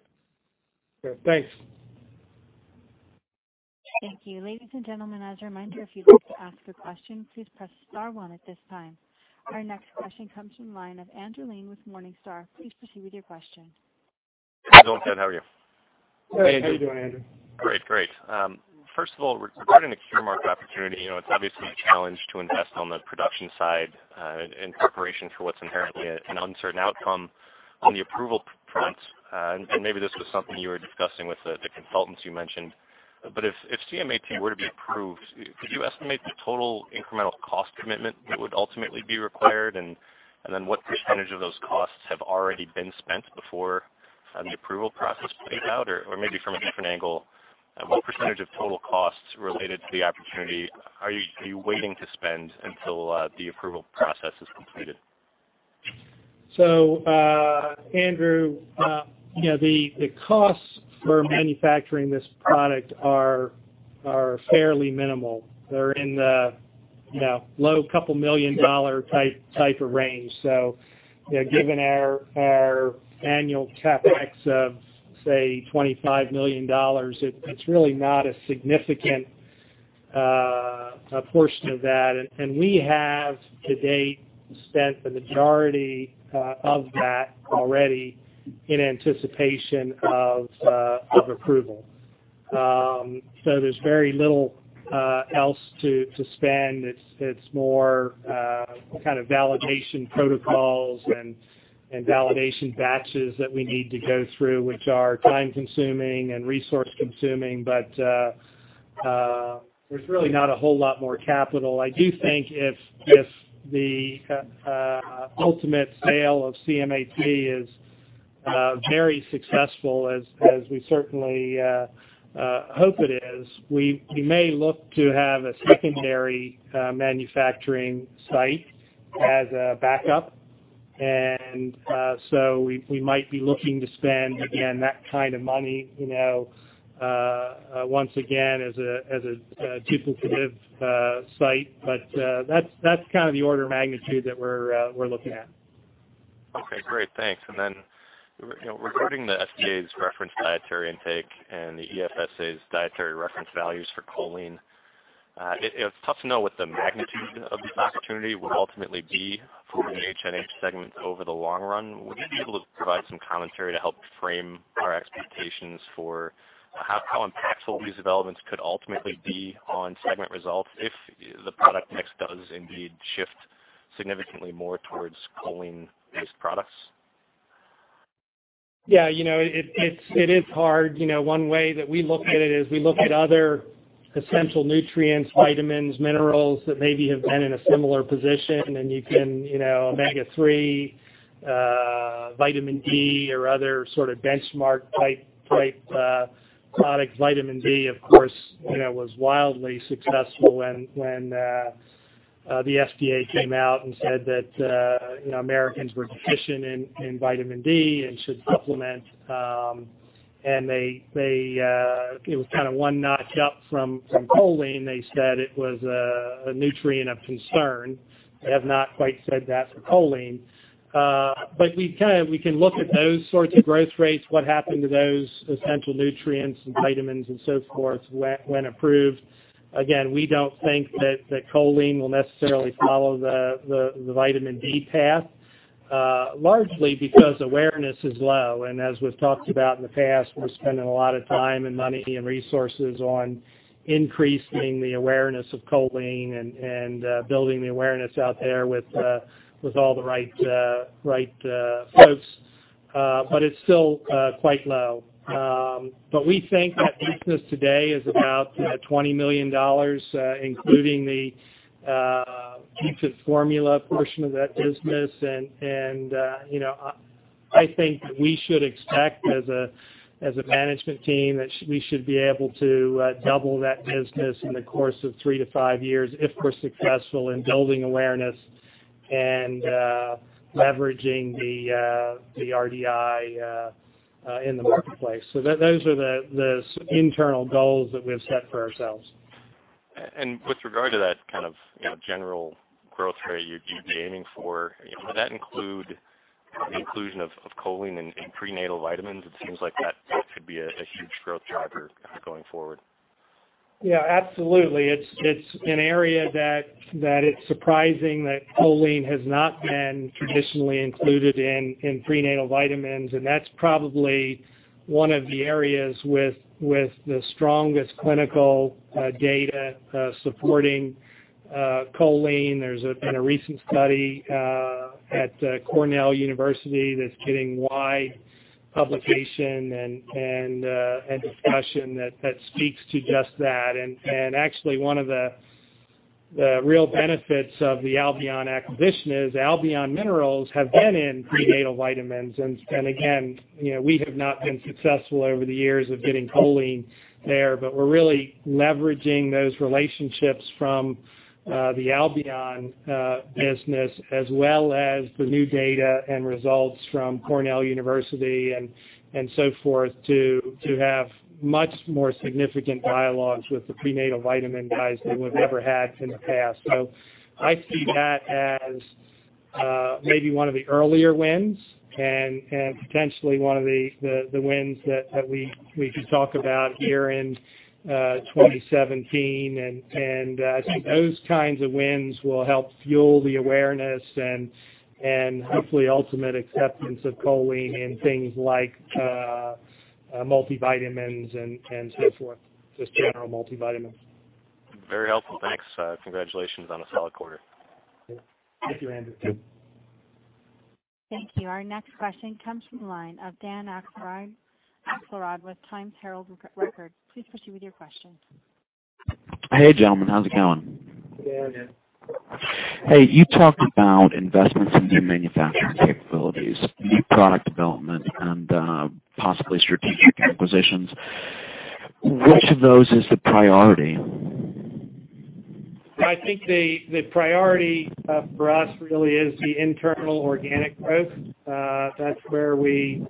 Yeah, thanks. Thank you. Ladies and gentlemen, as a reminder, if you'd like to ask a question, please press star one at this time. Our next question comes from the line of Andrew Lane with Morningstar. Please proceed with your question. Hey, Bill and Ted. How are you? Good. How are you doing, Andrew? Great. First of all, regarding the Curemark opportunity, it's obviously a challenge to invest on the production side in preparation for what's inherently an uncertain outcome on the approval front. Maybe this was something you were discussing with the consultants you mentioned, but if CM-AT were to be approved, could you estimate the total incremental cost commitment that would ultimately be required? What % of those costs have already been spent before the approval process plays out? Maybe from a different angle, what % of total costs related to the opportunity are you waiting to spend until the approval process is completed? Andrew, the costs for manufacturing this product are fairly minimal. They're in the low couple million dollar type of range. Given our annual CapEx of, say, $25 million, it's really not a significant portion of that. We have, to date, spent the majority of that already in anticipation of approval. There's very little else to spend. It's more validation protocols and validation batches that we need to go through, which are time-consuming and resource-consuming. There's really not a whole lot more capital. I do think if the ultimate sale of CM-AT is very successful, as we certainly hope it is, we may look to have a secondary manufacturing site as a backup. We might be looking to spend, again, that kind of money, once again, as a duplicative site. That's the order of magnitude that we're looking at. Okay, great. Thanks. Regarding the FDA's Reference Dietary Intake and the EFSA's Dietary Reference Values for choline, it's tough to know what the magnitude of the opportunity will ultimately be for the HNH segment over the long run. Would you be able to provide some commentary to help frame our expectations for how impactful these developments could ultimately be on segment results if the product mix does indeed shift significantly more towards choline-based products? Yeah, it is hard. One way that we look at it is we look at other essential nutrients, vitamins, minerals that maybe have been in a similar position. You can, omega-3, vitamin D, or other sort of benchmark type products. Vitamin D, of course, was wildly successful when the FDA came out and said that Americans were deficient in vitamin D and should supplement. It was kind of one notch up from choline. They said it was a nutrient of concern. They have not quite said that for choline. We can look at those sorts of growth rates, what happened to those essential nutrients and vitamins and so forth when approved. Again, we don't think that choline will necessarily follow the vitamin D path, largely because awareness is low. As we've talked about in the past, we're spending a lot of time and money and resources on increasing the awareness of choline and building the awareness out there with all the right folks, but it's still quite low. We think that business today is about $20 million, including the infant formula portion of that business. I think that we should expect, as a management team, that we should be able to double that business in the course of three to five years if we're successful in building awareness and leveraging the RDI in the marketplace. Those are the internal goals that we've set for ourselves. With regard to that kind of general growth rate you'd be aiming for, would that include the inclusion of choline in prenatal vitamins? It seems like that could be a huge growth driver going forward. Yeah, absolutely. It's an area that it's surprising that choline has not been traditionally included in prenatal vitamins, and that's probably one of the areas with the strongest clinical data supporting choline. There's been a recent study at Cornell University that's getting wide publication and discussion that speaks to just that. Actually, one of the real benefits of the Albion acquisition is Albion minerals have been in prenatal vitamins. Again, we have not been successful over the years of getting choline there, but we're really leveraging those relationships from the Albion business as well as the new data and results from Cornell University and so forth to have much more significant dialogues with the prenatal vitamin guys than we've ever had in the past. I see that as maybe one of the earlier wins and potentially one of the wins that we could talk about here in 2017. I think those kinds of wins will help fuel the awareness and hopefully ultimate acceptance of choline in things like multivitamins and so forth, just general multivitamins. Very helpful. Thanks. Congratulations on a solid quarter. Thank you, Andrew. Thank you. Our next question comes from the line of Dan Axelrod with Times Herald-Record. Please proceed with your questions. Hey, gentlemen. How's it going? Good. How are you? Hey, you talked about investments in new manufacturing capabilities, new product development, and possibly strategic acquisitions. Which of those is the priority? I think the priority for us really is the internal organic growth. That's where we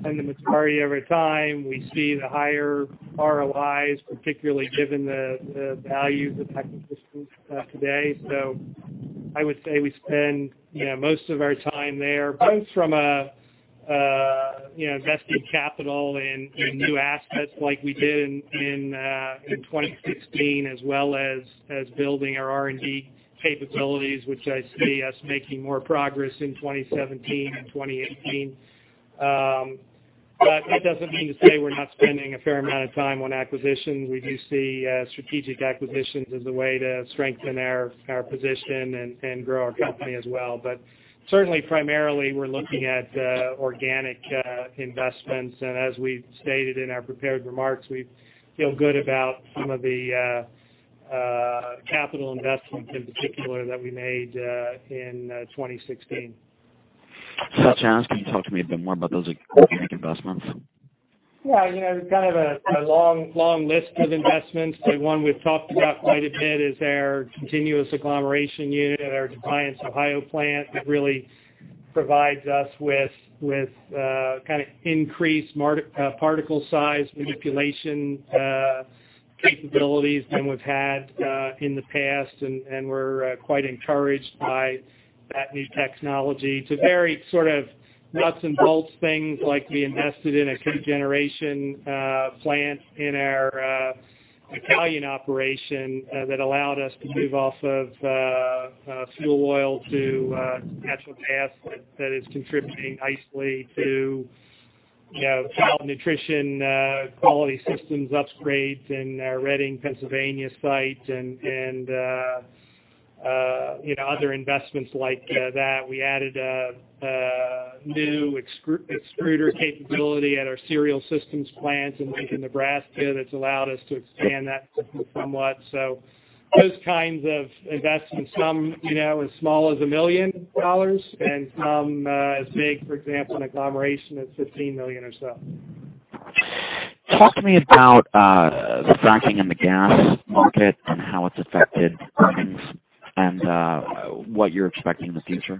spend the majority of our time. We see the higher ROIs, particularly given the values of technical systems today. I would say we spend most of our time there, both from investing capital in new assets like we did in 2016, as well as building our R&D capabilities, which I see us making more progress in 2017 and 2018. That doesn't mean to say we're not spending a fair amount of time on acquisitions. We do see strategic acquisitions as a way to strengthen our position and grow our company as well. Certainly, primarily, we're looking at organic investments. As we've stated in our prepared remarks, we feel good about some of the capital investments in particular that we made in 2016. Ted, can you talk to me a bit more about those organic investments? Yeah. We've got a long list of investments. The one we've talked about quite a bit is our continuous agglomeration unit at our Defiance, Ohio plant. That really provides us with increased particle size manipulation capabilities than we've had in the past, and we're quite encouraged by that new technology. To very sort of nuts and bolts things, like we invested in a cogeneration plant in our Italian operation that allowed us to move off of fuel oil to natural gas. That is contributing nicely to cow nutrition quality systems upgrades in our Reading, Pennsylvania site and other investments like that. We added a new extruder capability at our cereal systems plant in Lincoln, Nebraska, that's allowed us to expand that system somewhat. Those kinds of investments, some as small as $1 million and some as big, for example, an agglomeration that's $15 million or so. Talk to me about the fracking in the gas market and how it's affected earnings and what you're expecting in the future.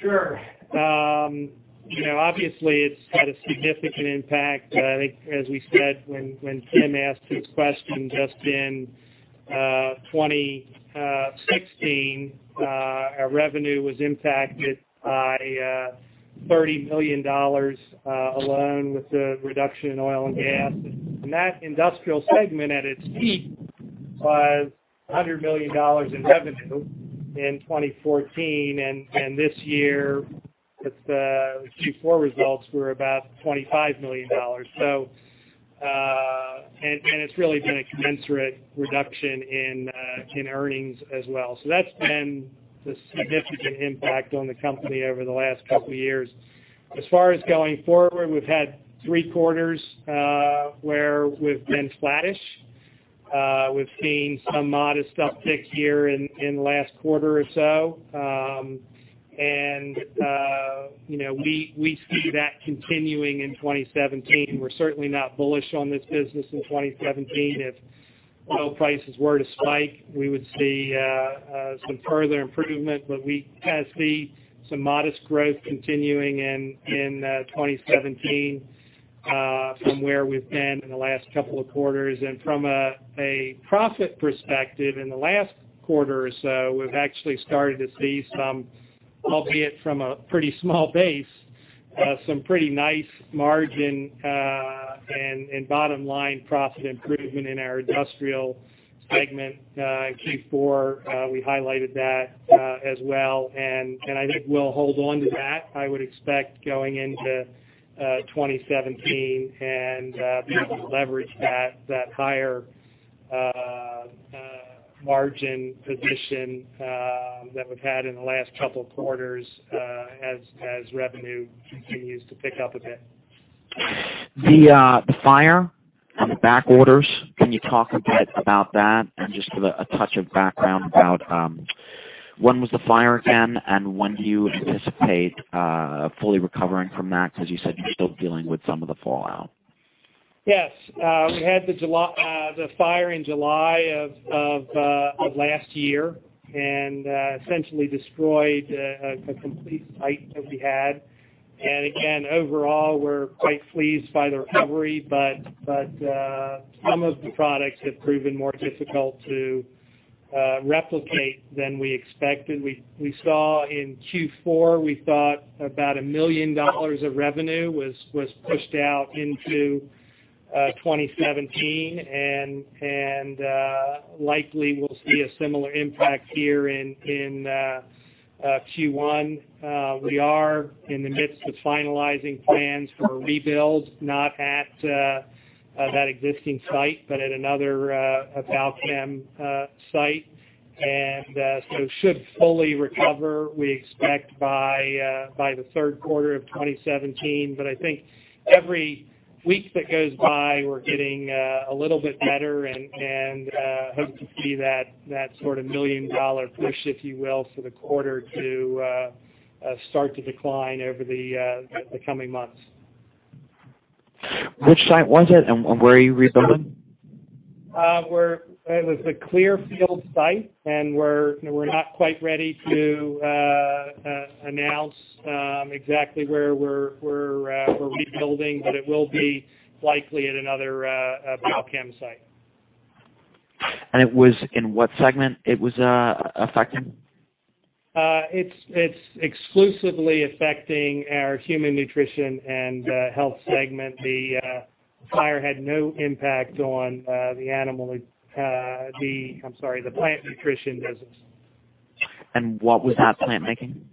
Sure. Obviously, it's had a significant impact. I think, as we said when Tim asked his question, just in 2016, our revenue was impacted by $30 million alone with the reduction in oil and gas. That industrial segment at its peak was $100 million in revenue in 2014. This year, the Q4 results were about $25 million. It's really been a commensurate reduction in earnings as well. That's been the significant impact on the company over the last couple of years. As far as going forward, we've had three quarters where we've been flattish. We've seen some modest uptick here in the last quarter or so. We see that continuing in 2017. We're certainly not bullish on this business in 2017. If oil prices were to spike, we would see some further improvement, but we do see some modest growth continuing in 2017 from where we've been in the last couple of quarters. From a profit perspective, in the last quarter or so, we've actually started to see some, albeit from a pretty small base, some pretty nice margin and bottom-line profit improvement in our industrial segment. In Q4, we highlighted that as well, and I think we'll hold on to that. I would expect going into 2017 and be able to leverage that higher margin position that we've had in the last couple of quarters as revenue continues to pick up a bit. The fire on the back orders, can you talk a bit about that and just with a touch of background about when was the fire again, and when do you anticipate fully recovering from that? Because you said you're still dealing with some of the fallout. Yes. We had the fire in July of last year and essentially destroyed a complete site that we had. Again, overall, we're quite pleased by the recovery, but some of the products have proven more difficult to replicate than we expected. We saw in Q4, we thought about $1 million of revenue was pushed out into 2017, and likely we'll see a similar impact here in Q1. We are in the midst of finalizing plans for a rebuild, not at that existing site, but at another Balchem site. Should fully recover, we expect by the third quarter of 2017. I think every week that goes by, we're getting a little bit better and hope to see that sort of million-dollar push, if you will, for the quarter to start to decline over the coming months. Which site was it? Where are you rebuilding? It was the Clearfield site. We're not quite ready to announce exactly where we're rebuilding, but it will be likely at another Balchem site. It was in what segment it was affecting? It's exclusively affecting our Human Nutrition & Health segment. The fire had no impact on the plant nutrition business. What was that plant making?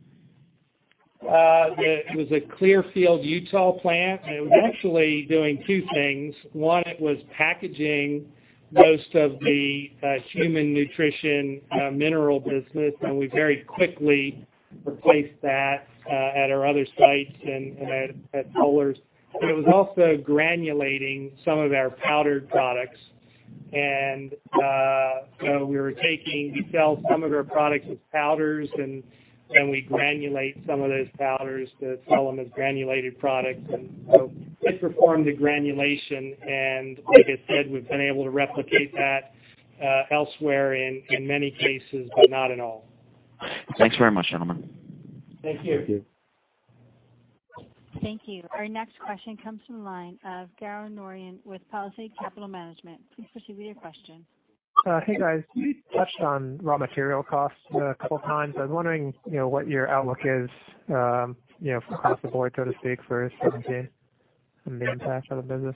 It was a Clearfield, Utah plant, and it was actually doing two things. One, it was packaging most of the human nutrition mineral business, and we very quickly replaced that at our other sites and at Polar's. It was also granulating some of our powdered products. So we sell some of our products as powders, and we granulate some of those powders to sell them as granulated products. So it performed the granulation, and like I said, we've been able to replicate that elsewhere in many cases, but not in all. Thanks very much, gentlemen. Thank you. Thank you. Our next question comes from the line of Garo Norian with Palisade Capital Management. Please proceed with your question. Hey, guys. You touched on raw material costs a couple times. I was wondering what your outlook is across the board, so to speak, for 2017 and the impact on the business.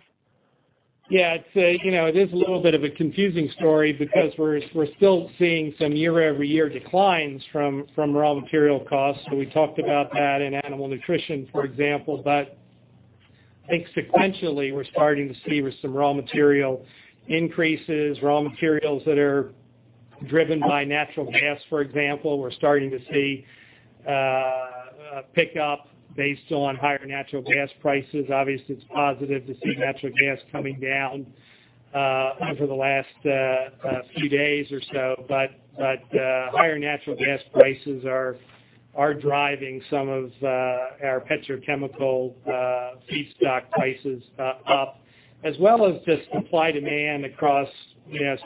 Yeah, it is a little bit of a confusing story because we're still seeing some year-over-year declines from raw material costs. We talked about that in animal nutrition, for example. I think sequentially, we're starting to see some raw material increases, raw materials that are driven by natural gas, for example. We're starting to see a pickup based on higher natural gas prices. Obviously, it's positive to see natural gas coming down over the last few days or so. Higher natural gas prices are driving some of our petrochemical feedstock prices up, as well as just supply-demand across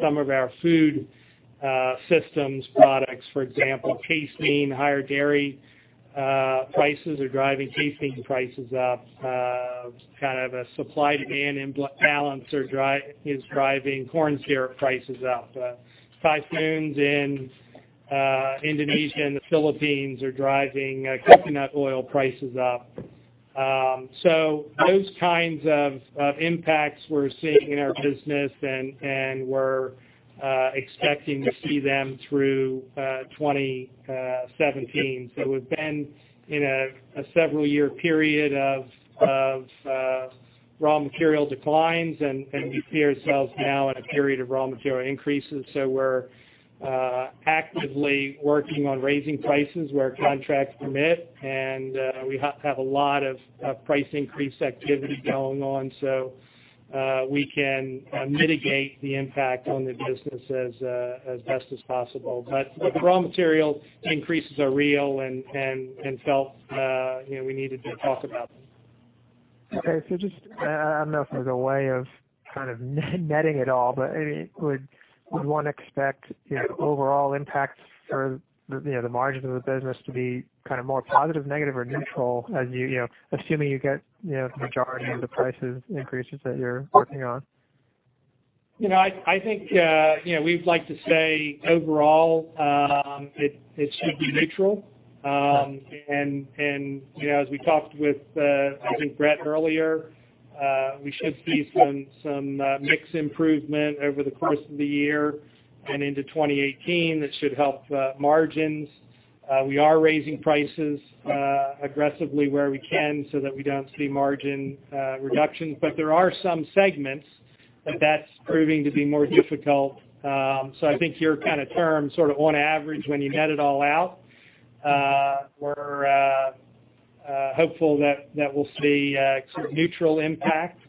some of our food systems products. For example, higher dairy prices are driving casein prices up. Kind of a supply-demand imbalance is driving corn syrup prices up. Typhoons in Indonesia and the Philippines are driving coconut oil prices up. Those kinds of impacts we're seeing in our business and we're expecting to see them through 2017. We've been in a several year period of raw material declines, and we see ourselves now in a period of raw material increases. We're actively working on raising prices where contracts permit, and we have a lot of price increase activity going on, so we can mitigate the impact on the business as best as possible. The raw material increases are real and felt. We needed to talk about them. Okay. Just, I don't know if there's a way of kind of netting it all, would one expect overall impacts for the margins of the business to be kind of more positive, negative, or neutral, assuming you get the majority of the prices increases that you're working on? I think we'd like to say overall, it should be neutral. As we talked with, I think, Brett earlier, we should see some mix improvement over the course of the year and into 2018 that should help margins. We are raising prices aggressively where we can so that we don't see margin reductions. There are some segments that's proving to be more difficult. I think your kind of term sort of on average, when you net it all out, we're hopeful that we'll see a sort of neutral impact.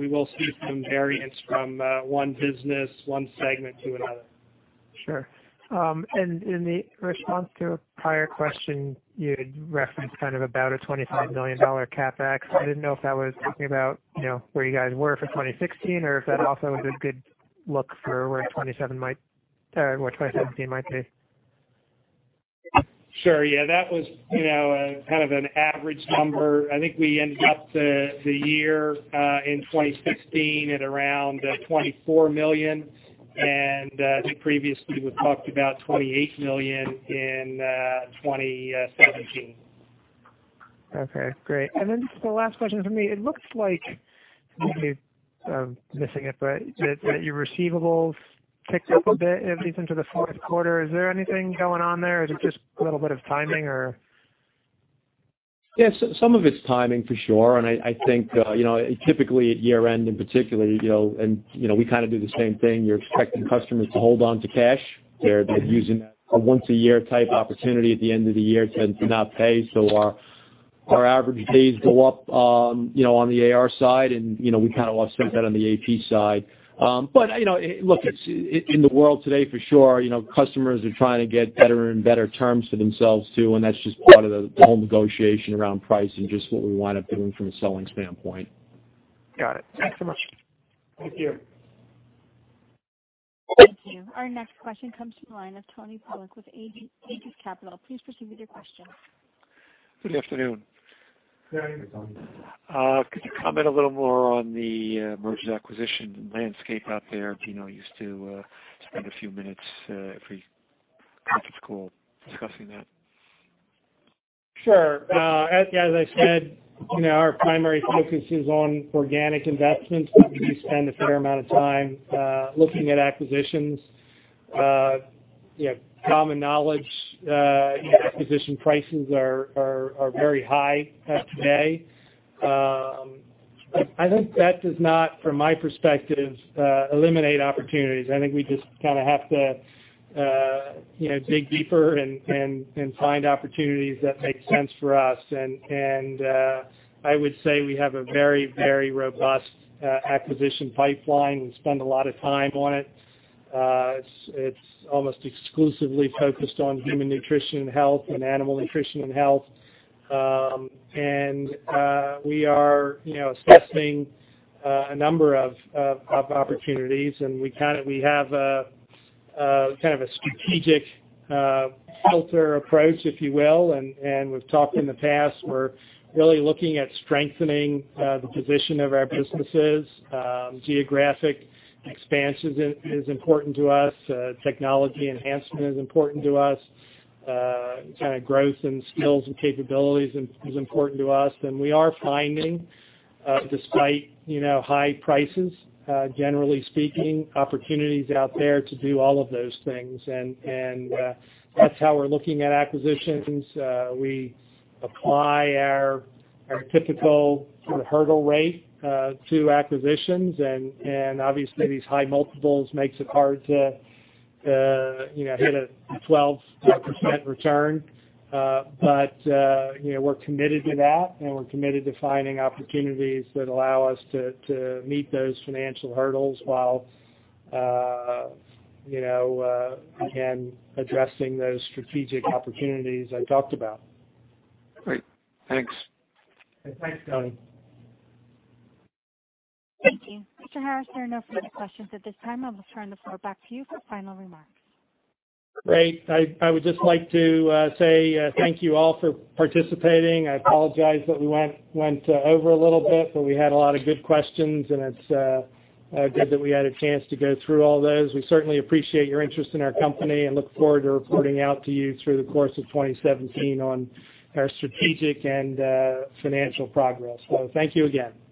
We will see some variance from one business, one segment to another. Sure. In the response to a prior question, you had referenced kind of about a $25 million CapEx. I didn't know if that was talking about where you guys were for 2016 or if that also was a good look for where 2017 might be. Sure. Yeah, that was kind of an average number. I think we ended up the year in 2016 at around $24 million, I think previously we talked about $28 million in 2017. Okay, great. This is the last question from me. It looks like, maybe I'm missing it, but that your receivables ticked up a bit, at least into the fourth quarter. Is there anything going on there? Is it just a little bit of timing or? Yeah. Some of it's timing for sure. I think, typically at year-end in particular, and we kind of do the same thing, you're expecting customers to hold onto cash. They're using a once-a-year type opportunity at the end of the year to not pay. Our average days go up on the AR side and we kind of offset that on the AP side. Look, in the world today, for sure, customers are trying to get better and better terms for themselves, too, and that's just part of the whole negotiation around pricing, just what we wind up doing from a selling standpoint. Got it. Thanks so much. Thank you. Thank you. Our next question comes from the line of Tony Polak with Aegis Capital. Please proceed with your question. Good afternoon. Good afternoon. Could you comment a little more on the mergers and acquisition landscape out there? I used to spend a few minutes every conference call discussing that. Sure. As I said, our primary focus is on organic investments, but we do spend a fair amount of time looking at acquisitions. Common knowledge, acquisition prices are very high today. I think that does not, from my perspective, eliminate opportunities. I think we just kind of have to dig deeper and find opportunities that make sense for us. I would say we have a very robust acquisition pipeline. We spend a lot of time on it. It's almost exclusively focused on Human Nutrition & Health and Animal Nutrition & Health. We are assessing a number of opportunities, and we have a kind of a strategic filter approach, if you will, and we've talked in the past, we're really looking at strengthening the position of our businesses. Geographic expansion is important to us. Technology enhancement is important to us. Growth in skills and capabilities is important to us. We are finding, despite high prices, generally speaking, opportunities out there to do all of those things. That's how we're looking at acquisitions. We apply our typical sort of hurdle rate to acquisitions, and obviously these high multiples makes it hard to hit a 12% return. We're committed to that, and we're committed to finding opportunities that allow us to meet those financial hurdles while again, addressing those strategic opportunities I talked about. Great. Thanks. Thanks, Tony. Thank you. Theodore Harris, there are no further questions at this time. I will turn the floor back to you for final remarks. Great. I would just like to say thank you all for participating. I apologize that we went over a little bit, but we had a lot of good questions, and it's good that we had a chance to go through all those. We certainly appreciate your interest in our company and look forward to reporting out to you through the course of 2017 on our strategic and financial progress. Thank you again.